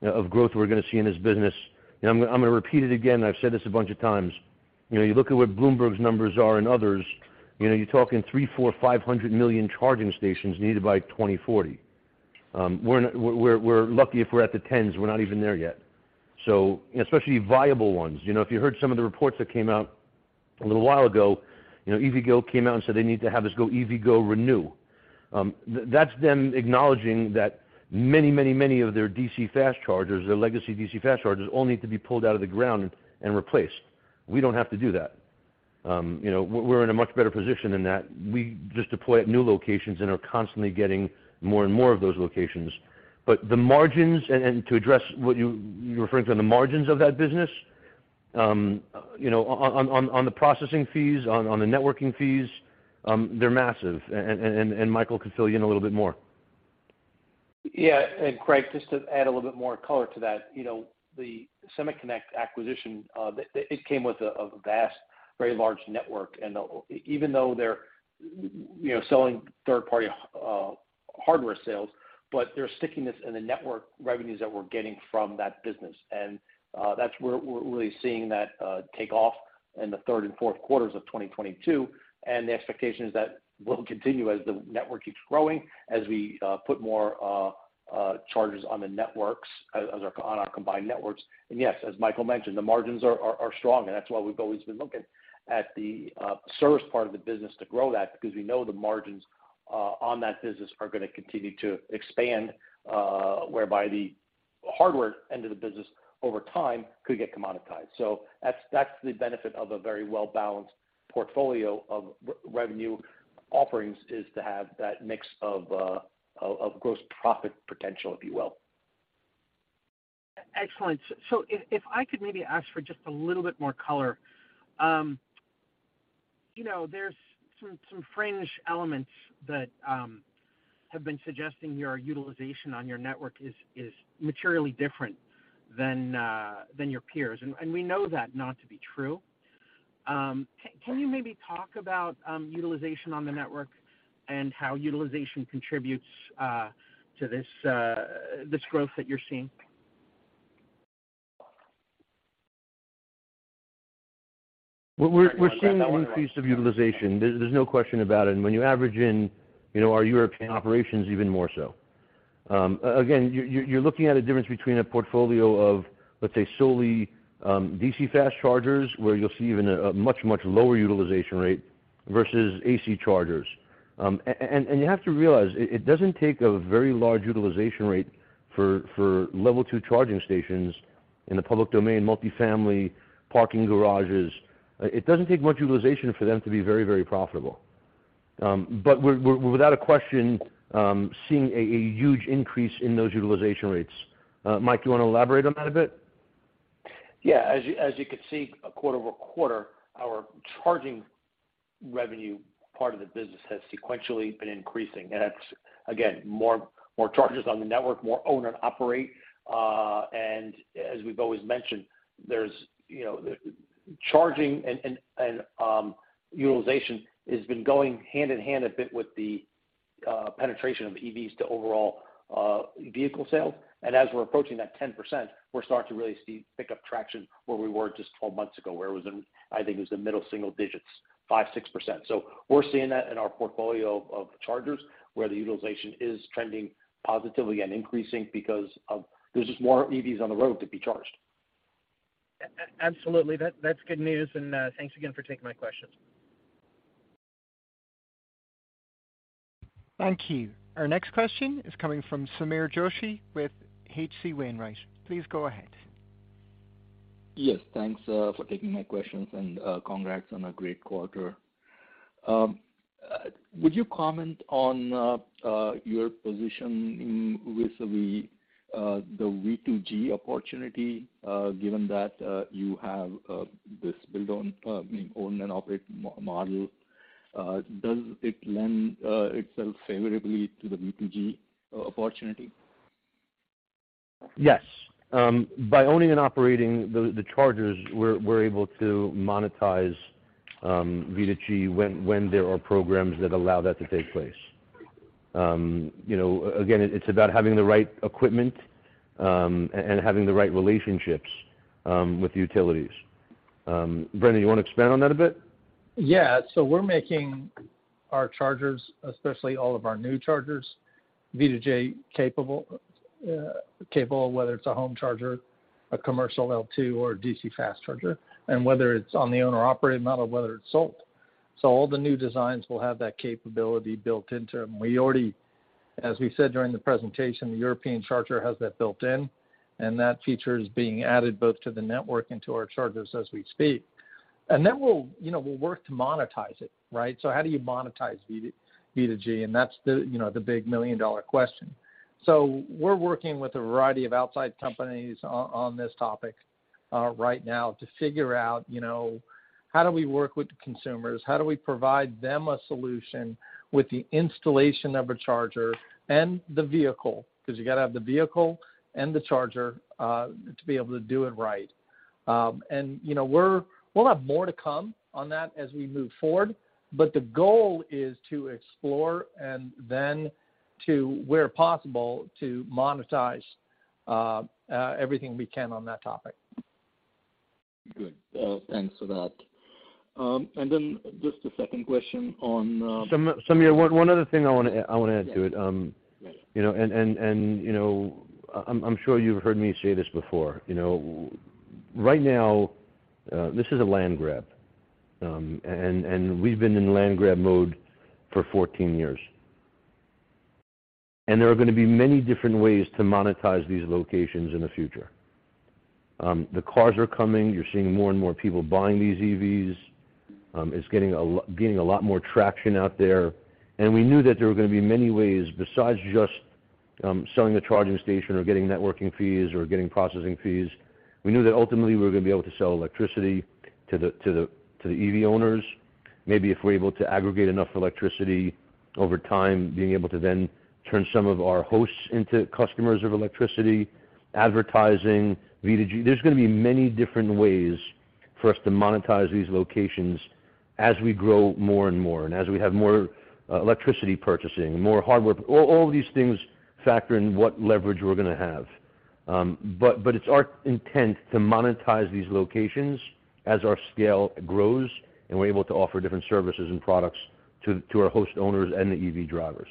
of growth we're gonna see in this business. You know, I'm gonna repeat it again, I've said this a bunch of times. You know, you look at what Bloomberg's numbers are and others, you know, you're talking three, four, five hundred million charging stations needed by 2040. We're, we're lucky if we're at the tens, we're not even there yet. Especially viable ones. You know, if you heard some of the reports that came out a little while ago, you know, EVgo came out and said they need to have this go EVgo ReNew. That's them acknowledging that many, many, many of their DC fast chargers, their legacy DC fast chargers, all need to be pulled out of the ground and replaced. We don't have to do that. You know, we're in a much better position than that. We just deploy at new locations and are constantly getting more and more of those locations. The margins, and to address what you're referring to, on the margins of that business, you know, on the processing fees, on the networking fees, they're massive. Michael can fill you in a little bit more. Yeah. Craig, just to add a little bit more color to that, you know, the SemaConnect acquisition, it came with a vast, very large network. Even though they're, you know, selling third party, hardware sales, but there's stickiness in the network revenues that we're getting from that business. That's where we're really seeing that take off in the third and Q4s of 2022. The expectation is that will continue as the network keeps growing, as we put more charges on the networks, on our combined networks. Yes, as Michael mentioned, the margins are strong, and that's why we've always been looking at the service part of the business to grow that because we know the margins on that business are gonna continue to expand, whereby the hardware end of the business over time could get commoditized. That's the benefit of a very well-balanced portfolio of revenue offerings, is to have that mix of gross profit potential, if you will. Excellent. If I could maybe ask for just a little bit more color? You know, there's some fringe elements that have been suggesting your utilization on your network is materially different than your peers. We know that not to be true. Can you maybe talk about utilization on the network and how utilization contributes to this growth that you're seeing? We're seeing an increase of utilization. There's no question about it. When you average in, you know, our European operations, even more so. Again, you're looking at a difference between a portfolio of, let's say, solely DC fast chargers, where you'll see even a much, much lower utilization rate versus AC chargers. And you have to realize, it doesn't take a very large utilization rate for Level 2 charging stations in the public domain, multi-family parking garages. It doesn't take much utilization for them to be very profitable. We're without a question seeing a huge increase in those utilization rates. Mike, you wanna elaborate on that a bit? Yeah. As you could see quarter-over-quarter, our charging revenue part of the business has sequentially been increasing. That's again, more charges on the network, more own and operate. As we've always mentioned, there's, you know, the charging and utilization has been going hand-in-hand a bit with the penetration of EVs to overall vehicle sales. As we're approaching that 10%, we're starting to really see pick up traction where we were just 12 months ago, where it was in, I think it was the middle single digits, 5%, 6%. We're seeing that in our portfolio of chargers, where the utilization is trending positively and increasing because of there's just more EVs on the road to be charged. Absolutely. That's good news. Thanks again for taking my questions. Thank you. Our next question is coming from Sameer Joshi with H.C. Wainwright. Please go ahead. Yes, thanks for taking my questions. Congrats on a great quarter. Would you comment on your position with the V2G opportunity, given that you have this build on, I mean, own and operate model? Does it lend itself favorably to the V2G opportunity? Yes. By owning and operating the chargers, we're able to monetize V2G when there are programs that allow that to take place. You know, again, it's about having the right equipment, and having the right relationships with utilities. Brendan, you wanna expand on that a bit? Yeah. We're making our chargers, especially all of our new chargers, V2G capable, whether it's a home charger, a commercial L2 or DC fast charger, and whether it's on the owner operated model, whether it's sold. All the new designs will have that capability built into them. As we said during the presentation, the European charger has that built in, and that feature is being added both to the network and to our chargers as we speak. Then we'll, you know, we'll work to monetize it, right? How do you monetize V2G? That's the, you know, the big million-dollar question. We're working with a variety of outside companies on this topic, right now to figure out, you know, how do we work with the consumers? How do we provide them a solution with the installation of a charger and the vehicle? Because you gotta have the vehicle and the charger to be able to do it right. You know, we'll have more to come on that as we move forward, but the goal is to explore and then to, where possible, to monetize everything we can on that topic. Good. Thanks for that. Just a second question on, Sameer, one other thing I wanna add to it. Yeah. You know, and, and, you know, I'm sure you've heard me say this before, you know, right now, this is a land grab. We've been in land grab mode for 14 years. There are gonna be many different ways to monetize these locations in the future. The cars are coming. You're seeing more and more people buying these EVs. It's gaining a lot more traction out there. We knew that there were gonna be many ways besides just selling the charging station or getting networking fees or getting processing fees. We knew that ultimately we were gonna be able to sell electricity to the, to the, to the EV owners. Maybe if we're able to aggregate enough electricity over time, being able to then turn some of our hosts into customers of electricity, advertising, V2G. There's gonna be many different ways for us to monetize these locations as we grow more and more, and as we have more, electricity purchasing, more hardware. All these things factor in what leverage we're gonna have. It's our intent to monetize these locations as our scale grows, and we're able to offer different services and products to our host owners and the EV drivers.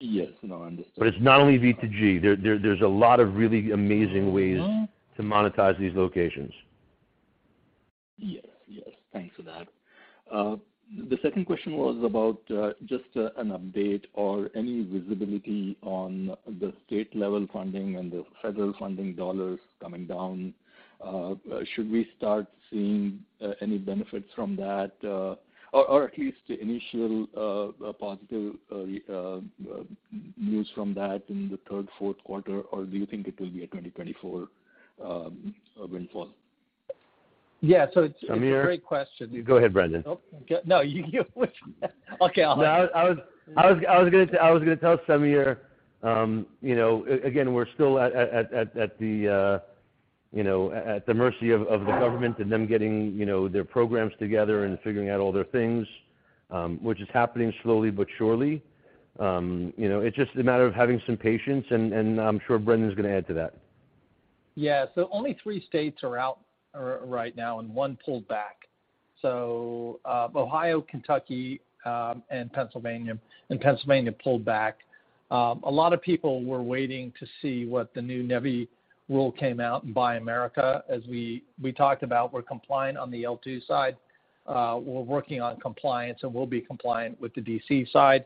Yes. No, I understand. It's not only V2G. There's a lot of really amazing ways... Mm-hmm... to monetize these locations. Yes, yes. Thanks for that. The second question was about just an update or any visibility on the state level funding and the federal funding dollars coming down. Should we start seeing any benefits from that, or at least the initial positive news from that in the third, Q4? Or do you think it will be a 2024 windfall? Yeah. Samir-... it's a great question. Go ahead, Brendan. Oh, okay. No, you Okay, I'll hold. No, I was gonna tell Samir, you know, again, we're still at the, you know, at the mercy of the government and them getting, you know, their programs together and figuring out all their things, which is happening slowly but surely. You know, it's just a matter of having some patience, and I'm sure Brendan's gonna add to that. Yeah. Only three states are out right now, and one pulled back. Ohio, Kentucky, and Pennsylvania, and Pennsylvania pulled back. A lot of people were waiting to see what the new NEVI rule came out, and Buy America, as we talked about, we're compliant on the L2 side. We're working on compliance, and we'll be compliant with the DC side.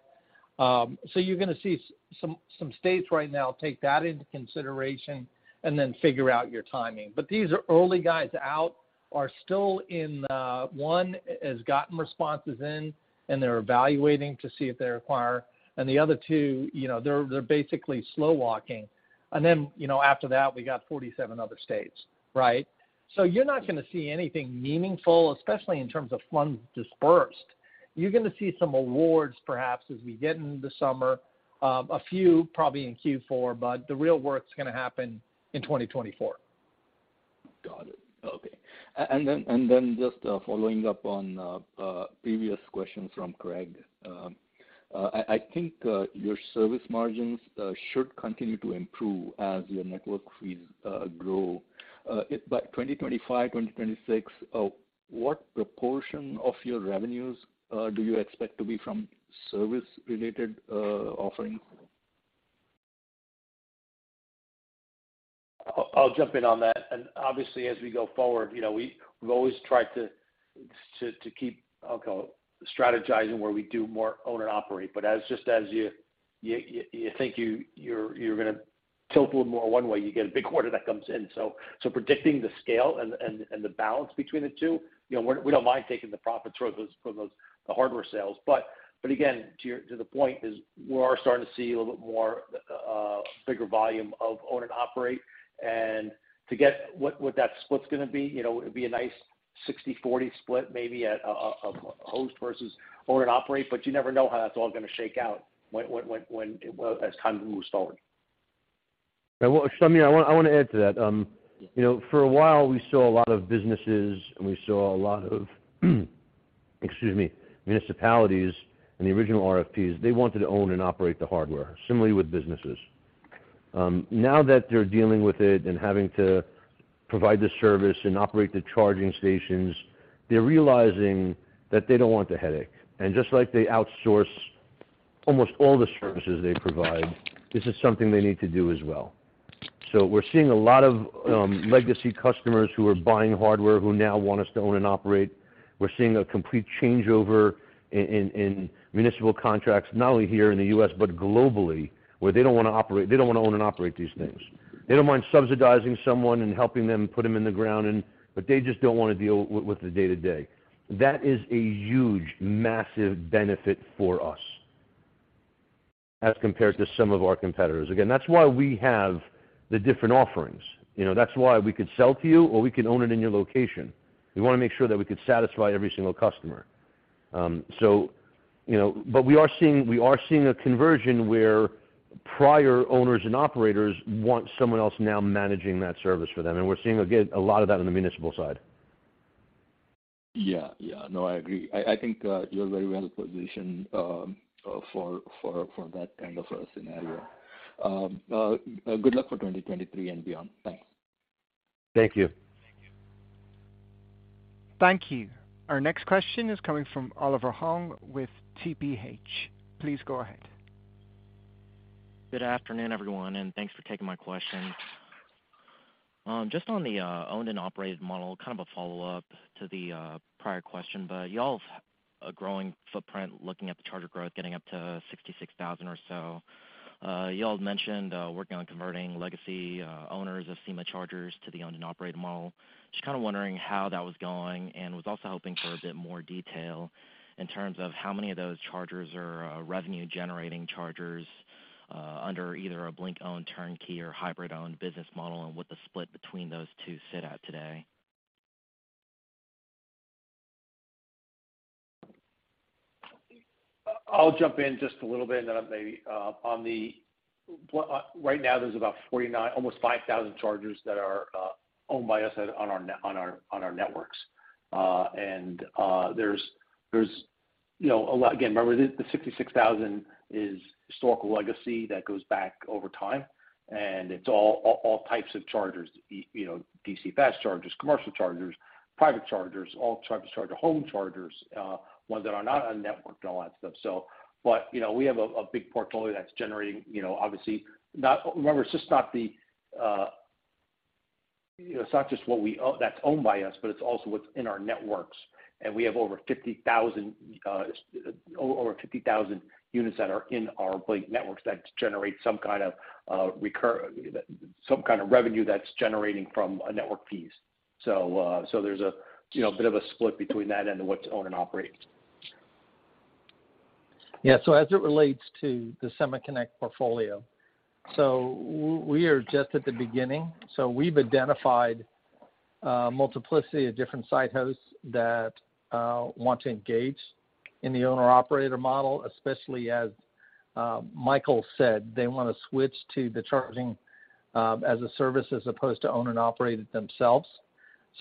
You're gonna see some states right now take that into consideration and then figure out your timing. These early guys out are still in. One has gotten responses in, and they're evaluating to see if they require. The other two, you know, they're basically slow walking. You know, after that, we got 47 other states, right? You're not gonna see anything meaningful, especially in terms of funds dispersed. You're gonna see some awards perhaps as we get into the summer, a few probably in Q4, but the real work's gonna happen in 2024. Got it. Okay. Then just following up on previous questions from Craig. I think your service margins should continue to improve as your network fees grow. By 2025, 2026, what proportion of your revenues do you expect to be from service related offerings? I'll jump in on that. Obviously, as we go forward, you know, we've always tried to keep, I'll call it, strategizing where we do more own and operate. As just as you think you're gonna tilt a little more one way, you get a big order that comes in. Predicting the scale and the balance between the two, you know, we don't mind taking the profits from those, the hardware sales. Again, to the point is we are starting to see a little bit more bigger volume of own and operate. To get what that split's gonna be, you know, it'd be a nice 60/40 split, maybe at a host versus own and operate, but you never know how that's all gonna shake out when as time moves forward. Well, Samir, I wanna add to that. Yeah. You know, for a while, we saw a lot of businesses, and we saw a lot of, excuse me, municipalities in the original RFPs, they wanted to own and operate the hardware, similarly with businesses. Now that they're dealing with it and having to provide the service and operate the charging stations, they're realizing that they don't want the headache. Just like they outsource almost all the services they provide, this is something they need to do as well. We're seeing a lot of legacy customers who are buying hardware who now want us to own and operate. We're seeing a complete changeover in municipal contracts, not only here in the U.S., but globally, where they don't wanna operate. They don't wanna own and operate these things. They don't mind subsidizing someone and helping them put them in the ground and... They just don't wanna deal with the day-to-day. That is a huge, massive benefit for us as compared to some of our competitors. That's why we have the different offerings. You know, that's why we could sell to you, or we can own it in your location. We wanna make sure that we could satisfy every single customer. You know, we are seeing a conversion where prior owners and operators want someone else now managing that service for them. We're seeing, again, a lot of that on the municipal side. Yeah, yeah. No, I agree. I think, you're very well positioned, for that kind of a scenario. Good luck for 2023 and beyond. Thanks. Thank you. Thank you. Thank you. Our next question is coming from Oliver Hong with TPH. Please go ahead. Good afternoon, everyone, and thanks for taking my questions. Just on the owned and operated model, kind of a follow-up to the prior question. Y'all have a growing footprint looking at the charger growth getting up to 66,000 or so. Y'all mentioned working on converting legacy owners of SemaConnect Chargers to the owned and operated model. Just kinda wondering how that was going and was also hoping for a bit more detail in terms of how many of those chargers are revenue generating chargers under either a Blink-owned turnkey or hybrid-owned business model and what the split between those two sit at today? I'll jump in just a little bit, and then I may, on the right now there's almost 5,000 chargers that are owned by us at, on our networks. There's, you know, a lot. Again, remember the 66,000 is historical legacy that goes back over time, and it's all types of chargers, you know, DC fast chargers, commercial chargers, private chargers, all types of chargers, home chargers, ones that are not on network and all that stuff. You know, we have a big portfolio that's generating, you know, obviously not. Remember, it's just not the, you know, it's not just what we that's owned by us, but it's also what's in our networks. We have over 50,000 units that are in our Blink networks that generate some kind of revenue that's generating from a network piece. There's a, you know, bit of a split between that and what's own and operate. As it relates to the SemaConnect portfolio, we are just at the beginning. We've identified multiplicity of different site hosts that want to engage in the owner/operator model, especially as Michael said, they wanna switch to the charging as a service as opposed to own and operate it themselves.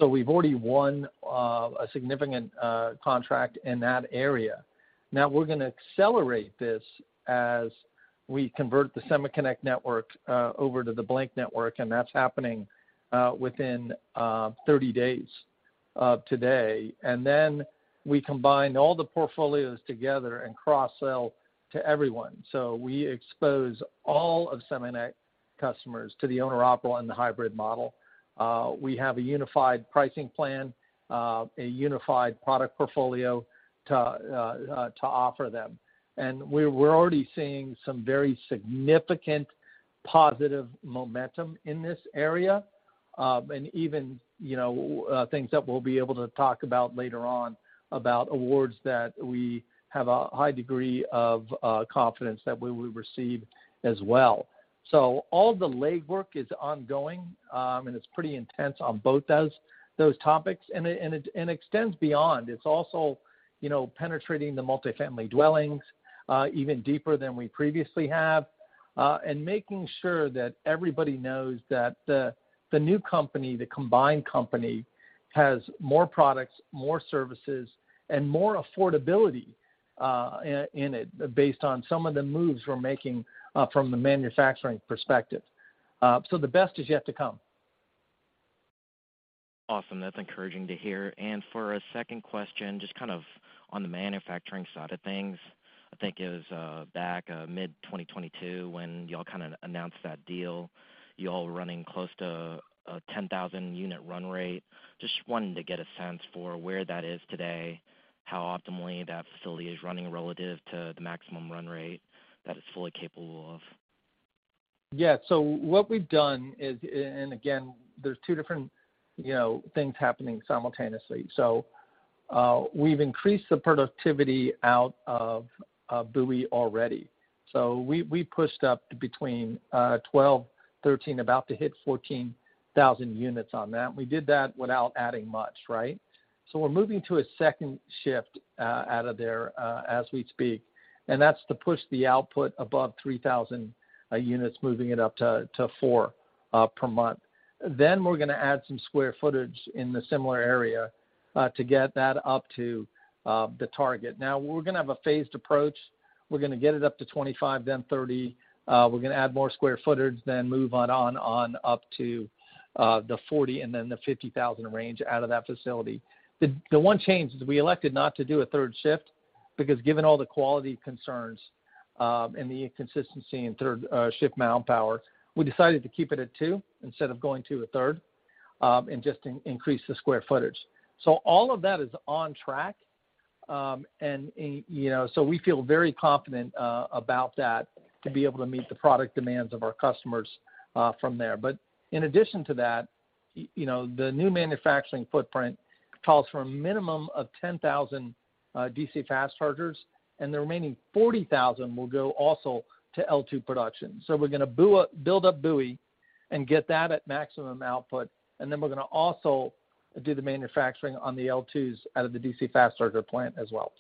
We've already won a significant contract in that area. Now we're gonna accelerate this as we convert the SemaConnect network over to the Blink Network, and that's happening within 30 days of today. Then we combine all the portfolios together and cross-sell to everyone. We expose all of SemaConnect customers to the owner/operator and the hybrid model. We have a unified pricing plan, a unified product portfolio to offer them. We're already seeing some very significant positive momentum in this area, and even things that we'll be able to talk about later on about awards that we have a high degree of confidence that we will receive as well. All the legwork is ongoing, and it's pretty intense on both those topics. It extends beyond. It's also penetrating the multifamily dwellings even deeper than we previously have, and making sure that everybody knows that the new company, the combined company, has more products, more services, and more affordability in it based on some of the moves we're making from the manufacturing perspective. The best is yet to come. Awesome. That's encouraging to hear. For a second question, just kind of on the manufacturing side of things. I think it was back mid-2022 when y'all kinda announced that deal, y'all were running close to a 10,000 unit run rate. Just wanting to get a sense for where that is today, how optimally that facility is running relative to the maximum run rate that it's fully capable of. Yeah. What we've done is... And again, there's two different, you know, things happening simultaneously. We've increased the productivity out of Bowie already. We pushed up to between 12, 13, about to hit 14,000 units on that. We did that without adding much, right? We're moving to a second shift out of there as we speak, and that's to push the output above 3,000 units, moving it up to 4 per month. We're gonna add some square footage in the similar area to get that up to the target. Now we're gonna have a phased approach. We're gonna get it up to 25, then 30. We're gonna add more square footage, then move on up to the 40 and then the 50,000 range out of that facility. The one change is we elected not to do a third shift because given all the quality concerns, and the inconsistency in third shift manpower, we decided to keep it at two instead of going to a third, and just increase the square footage. All of that is on track. You know, we feel very confident about that to be able to meet the product demands of our customers from there. In addition to that, you know, the new manufacturing footprint calls for a minimum of 10,000 DC fast chargers, and the remaining 40,000 will go also to L2 production. We're gonna build up Bowie and get that at maximum output, and then we're gonna also do the manufacturing on the L2s out of the DC fast charger plant as well.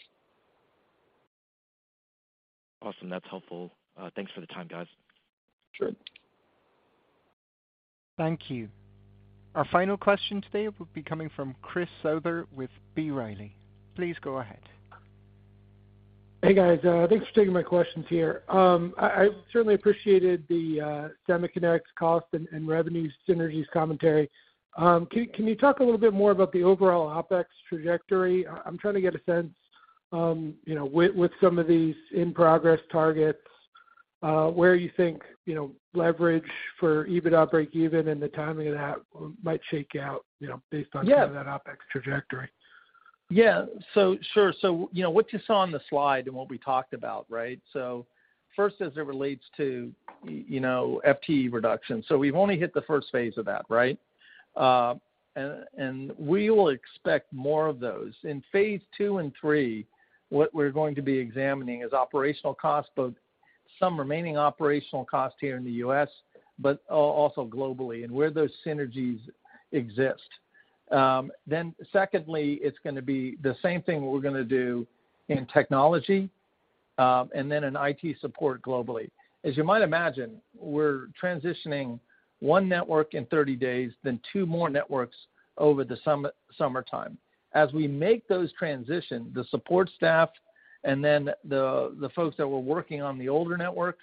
Awesome. That's helpful. Thanks for the time, guys. Sure. Thank you. Our final question today will be coming from Chris Souther with B. Riley. Please go ahead. Hey, guys. Thanks for taking my questions here. I certainly appreciated the SemaConnect's cost and revenues synergies commentary. Can you talk a little bit more about the overall OpEx trajectory? I'm trying to get a sense, you know, with some of these in-progress targets, where you think, you know, leverage for EBITDA breakeven and the timing of that might shake out, you know, based on... Yeah. some of that OpEx trajectory. Yeah. Sure. You know, what you saw on the slide and what we talked about, right? First, as it relates to you know, FTE reduction, we've only hit the first phase of that, right? And we will expect more of those. In phase two and three, what we're going to be examining is operational cost. Some remaining operational costs here in the U.S., but also globally, and where those synergies exist. Then secondly, it's going to be the same thing we're going to do in technology, and then in I.T. support globally. As you might imagine, we're transitioning one network in 30 days, then two more networks over the summertime. As we make those transition, the support staff and the folks that were working on the older network,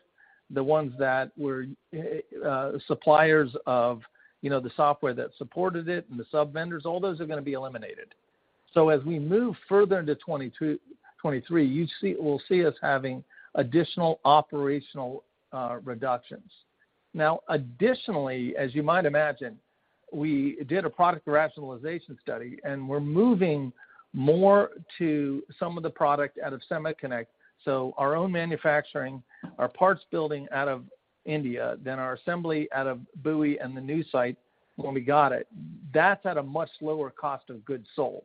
the ones that were suppliers of, you know, the software that supported it and the sub-vendors, all those are gonna be eliminated. As we move further into 2023, you will see us having additional operational reductions. Additionally, as you might imagine, we did a product rationalization study, and we're moving more to some of the product out of SemaConnect. Our own manufacturing, our parts building out of India, then our assembly out of Bowie and the new site when we got it, that's at a much lower cost of goods sold.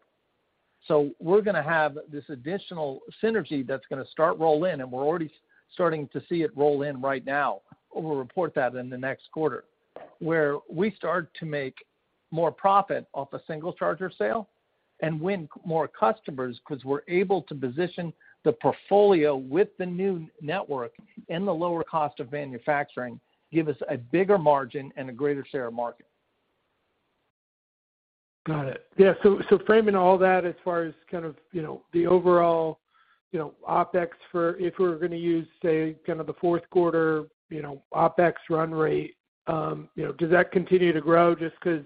We're gonna have this additional synergy that's gonna start roll in, and we're already starting to see it roll in right now, and we'll report that in the next quarter, where we start to make more profit off a single charger sale and win more customers 'cause we're able to position the portfolio with the new Network and the lower cost of manufacturing, give us a bigger margin and a greater share of market. Got it. Framing all that as far as kind of, you know, the overall, you know, OpEx for if we're gonna use, say, kind of the Q4, you know, OpEx run rate, you know, does that continue to grow just 'cause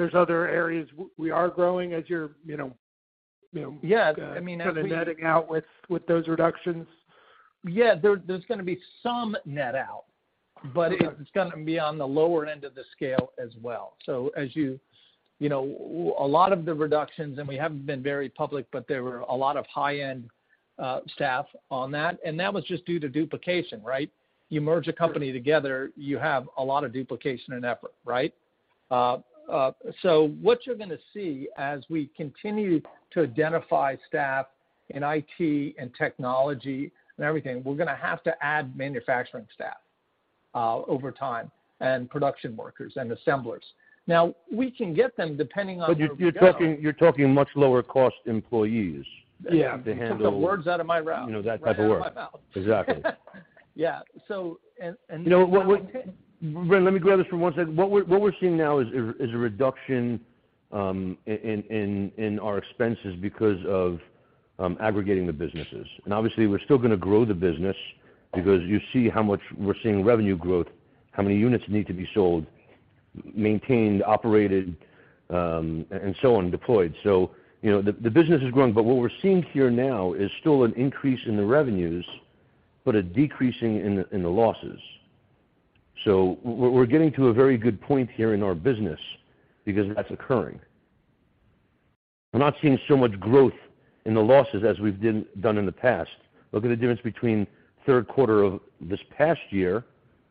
there's other areas we are growing as you're, you know? Yeah, I mean... kinda netting out with those reductions? Yeah. There's gonna be some net out, but it's gonna be on the lower end of the scale as well. As you know, a lot of the reductions, and we haven't been very public, but there were a lot of high-end staff on that, and that was just due to duplication, right? You merge a company together, you have a lot of duplication and effort, right? So what you're gonna see as we continue to identify staff in IT and technology and everything, we're gonna have to add manufacturing staff over time, and production workers and assemblers. Now, we can get them depending on where we go. You, you're talking much lower cost employees. Yeah to handle You took the words out of my mouth.... you know, that type of work. Right out of my mouth. Exactly. Yeah. You know what, Brent, let me grab this for one second. What we're seeing now is a reduction in our expenses because of aggregating the businesses. Obviously we're still gonna grow the business because you see how much we're seeing revenue growth, how many units need to be sold, maintained, operated, and so on, deployed. You know, the business is growing, but what we're seeing here now is still an increase in the revenues, but a decreasing in the losses. We're getting to a very good point here in our business because that's occurring. We're not seeing so much growth in the losses as we've done in the past. Look at the difference between Q3 of this past year.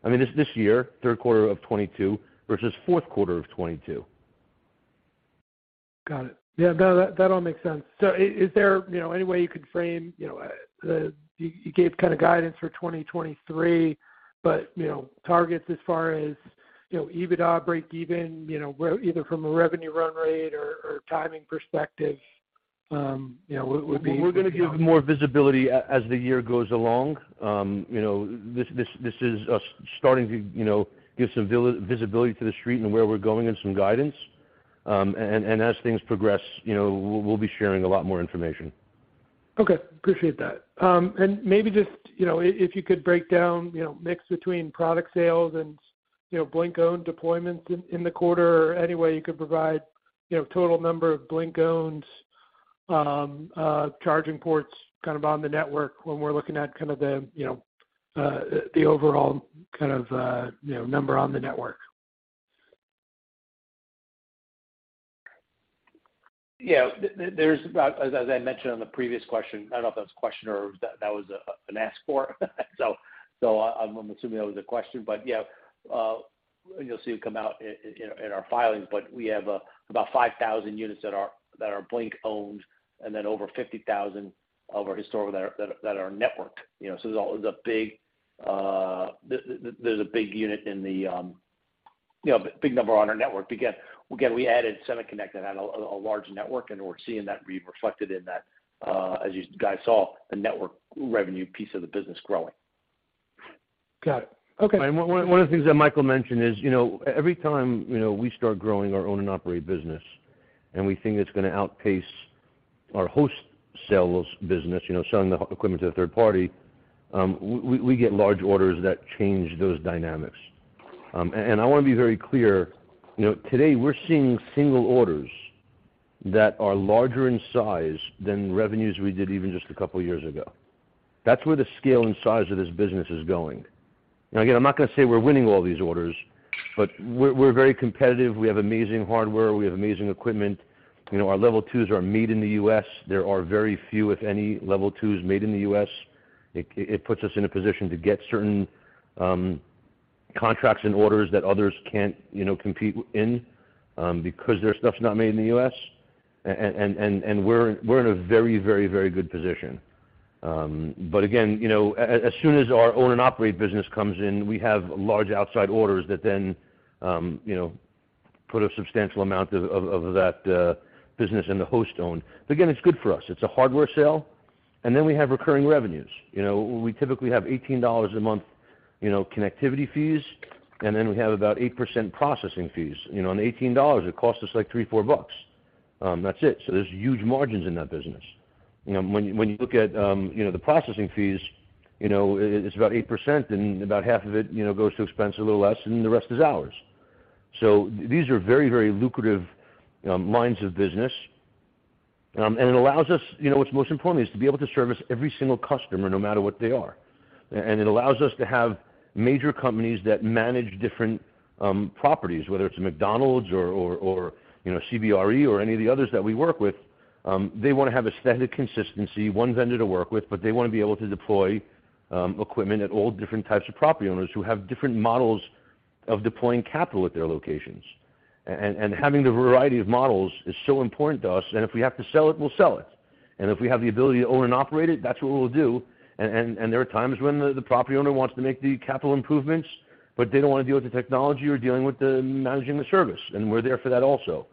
I mean, this year, Q3 of 2022 versus Q4 of 2022. Got it. Yeah, that all makes sense. Is there, you know, any way you could frame, you know, You gave kind of guidance for 2023, but, you know, targets as far as, you know, EBITDA break even, you know, where either from a revenue run rate or timing perspective, you know, what would be? We're gonna give more visibility as the year goes along. You know, this is us starting to, you know, give some visibility to the street and where we're going and some guidance. As things progress, you know, we'll be sharing a lot more information. Okay. Appreciate that. Maybe just, you know, if you could break down, you know, mix between product sales and, you know, Blink-owned deployments in the quarter or any way you could provide, you know, total number of Blink-owned charging ports kind of on the network when we're looking at kind of the, you know, the overall kind of, you know, number on the network. Yeah. As I mentioned on the previous question, I don't know if that was a question or that was an ask for. I'm assuming that was a question. Yeah, you'll see it come out in our filings, but we have about 5,000 units that are Blink owned and then over 50,000 of our historical that are network. You know, there's a big. There's a big unit in the, you know, big number on our network. Again, we added SemaConnect that had a large network, and we're seeing that reflected in that, as you guys saw, the network revenue piece of the business growing. Got it. Okay. One of the things that Michael mentioned is, you know, every time, you know, we start growing our own and operate business and we think it's gonna outpace our host sales business, you know, selling the equipment to a third party, we get large orders that change those dynamics. I wanna be very clear, you know, today we're seeing single orders that are larger in size than revenues we did even just a couple years ago. That's where the scale and size of this business is going. Again, I'm not gonna say we're winning all these orders, but we're very competitive. We have amazing hardware, we have amazing equipment. You know, our Level 2s are made in the U.S. There are very few, if any, Level 2s made in the U.S. It puts us in a position to get certain contracts and orders that others can't, you know, compete in, because their stuff's not made in the U.S. We're in a very good position. Again, you know, as soon as our own and operate business comes in, we have large outside orders that then, you know, put a substantial amount of that business in the host owned. Again, it's good for us. It's a hardware sale, and then we have recurring revenues. You know, we typically have $18 a month, you know, connectivity fees, and then we have about 8% processing fees. You know, on $18, it costs us, like, $3-$4 bucks. That's it. There's huge margins in that business. You know, when you look at, you know, the processing fees, you know, it's about 8% and about half of it, you know, goes to expense a little less, and the rest is ours. These are very, very lucrative lines of business. You know, what's most important is to be able to service every single customer no matter what they are. It allows us to have major companies that manage different properties, whether it's a McDonald's or, you know, CBRE or any of the others that we work with, they wanna have aesthetic consistency, one vendor to work with, but they wanna be able to deploy equipment at all different types of property owners who have different models of deploying capital at their locations. Having the variety of models is so important to us. If we have to sell it, we'll sell it. If we have the ability to own and operate it, that's what we'll do. There are times when the property owner wants to make the capital improvements, but they don't wanna deal with the technology or dealing with the managing the service, and we're there for that also.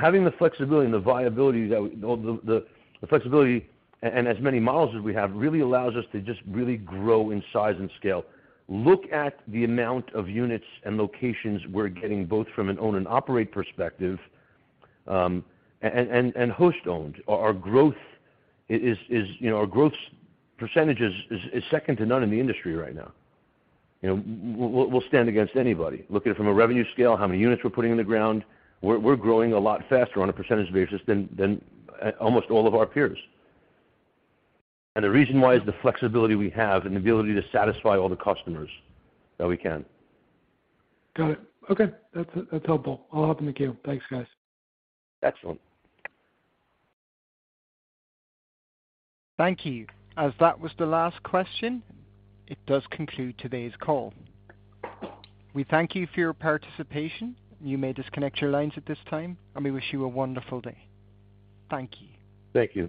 Having the flexibility and the viability that we or the flexibility and as many models as we have, really allows us to just really grow in size and scale. Look at the amount of units and locations we're getting both from an own and operate perspective, and host owned. Our growth is... You know, our growth percentage is second to none in the industry right now. You know, we'll stand against anybody. Look at it from a revenue scale, how many units we're putting in the ground. We're growing a lot faster on a percentage basis than almost all of our peers. The reason why is the flexibility we have and the ability to satisfy all the customers that we can. Got it. Okay. That's helpful. I'll hop in the queue. Thanks, guys. Excellent. Thank you. As that was the last question, it does conclude today's call. We thank you for your participation. You may disconnect your lines at this time, and we wish you a wonderful day. Thank you. Thank you.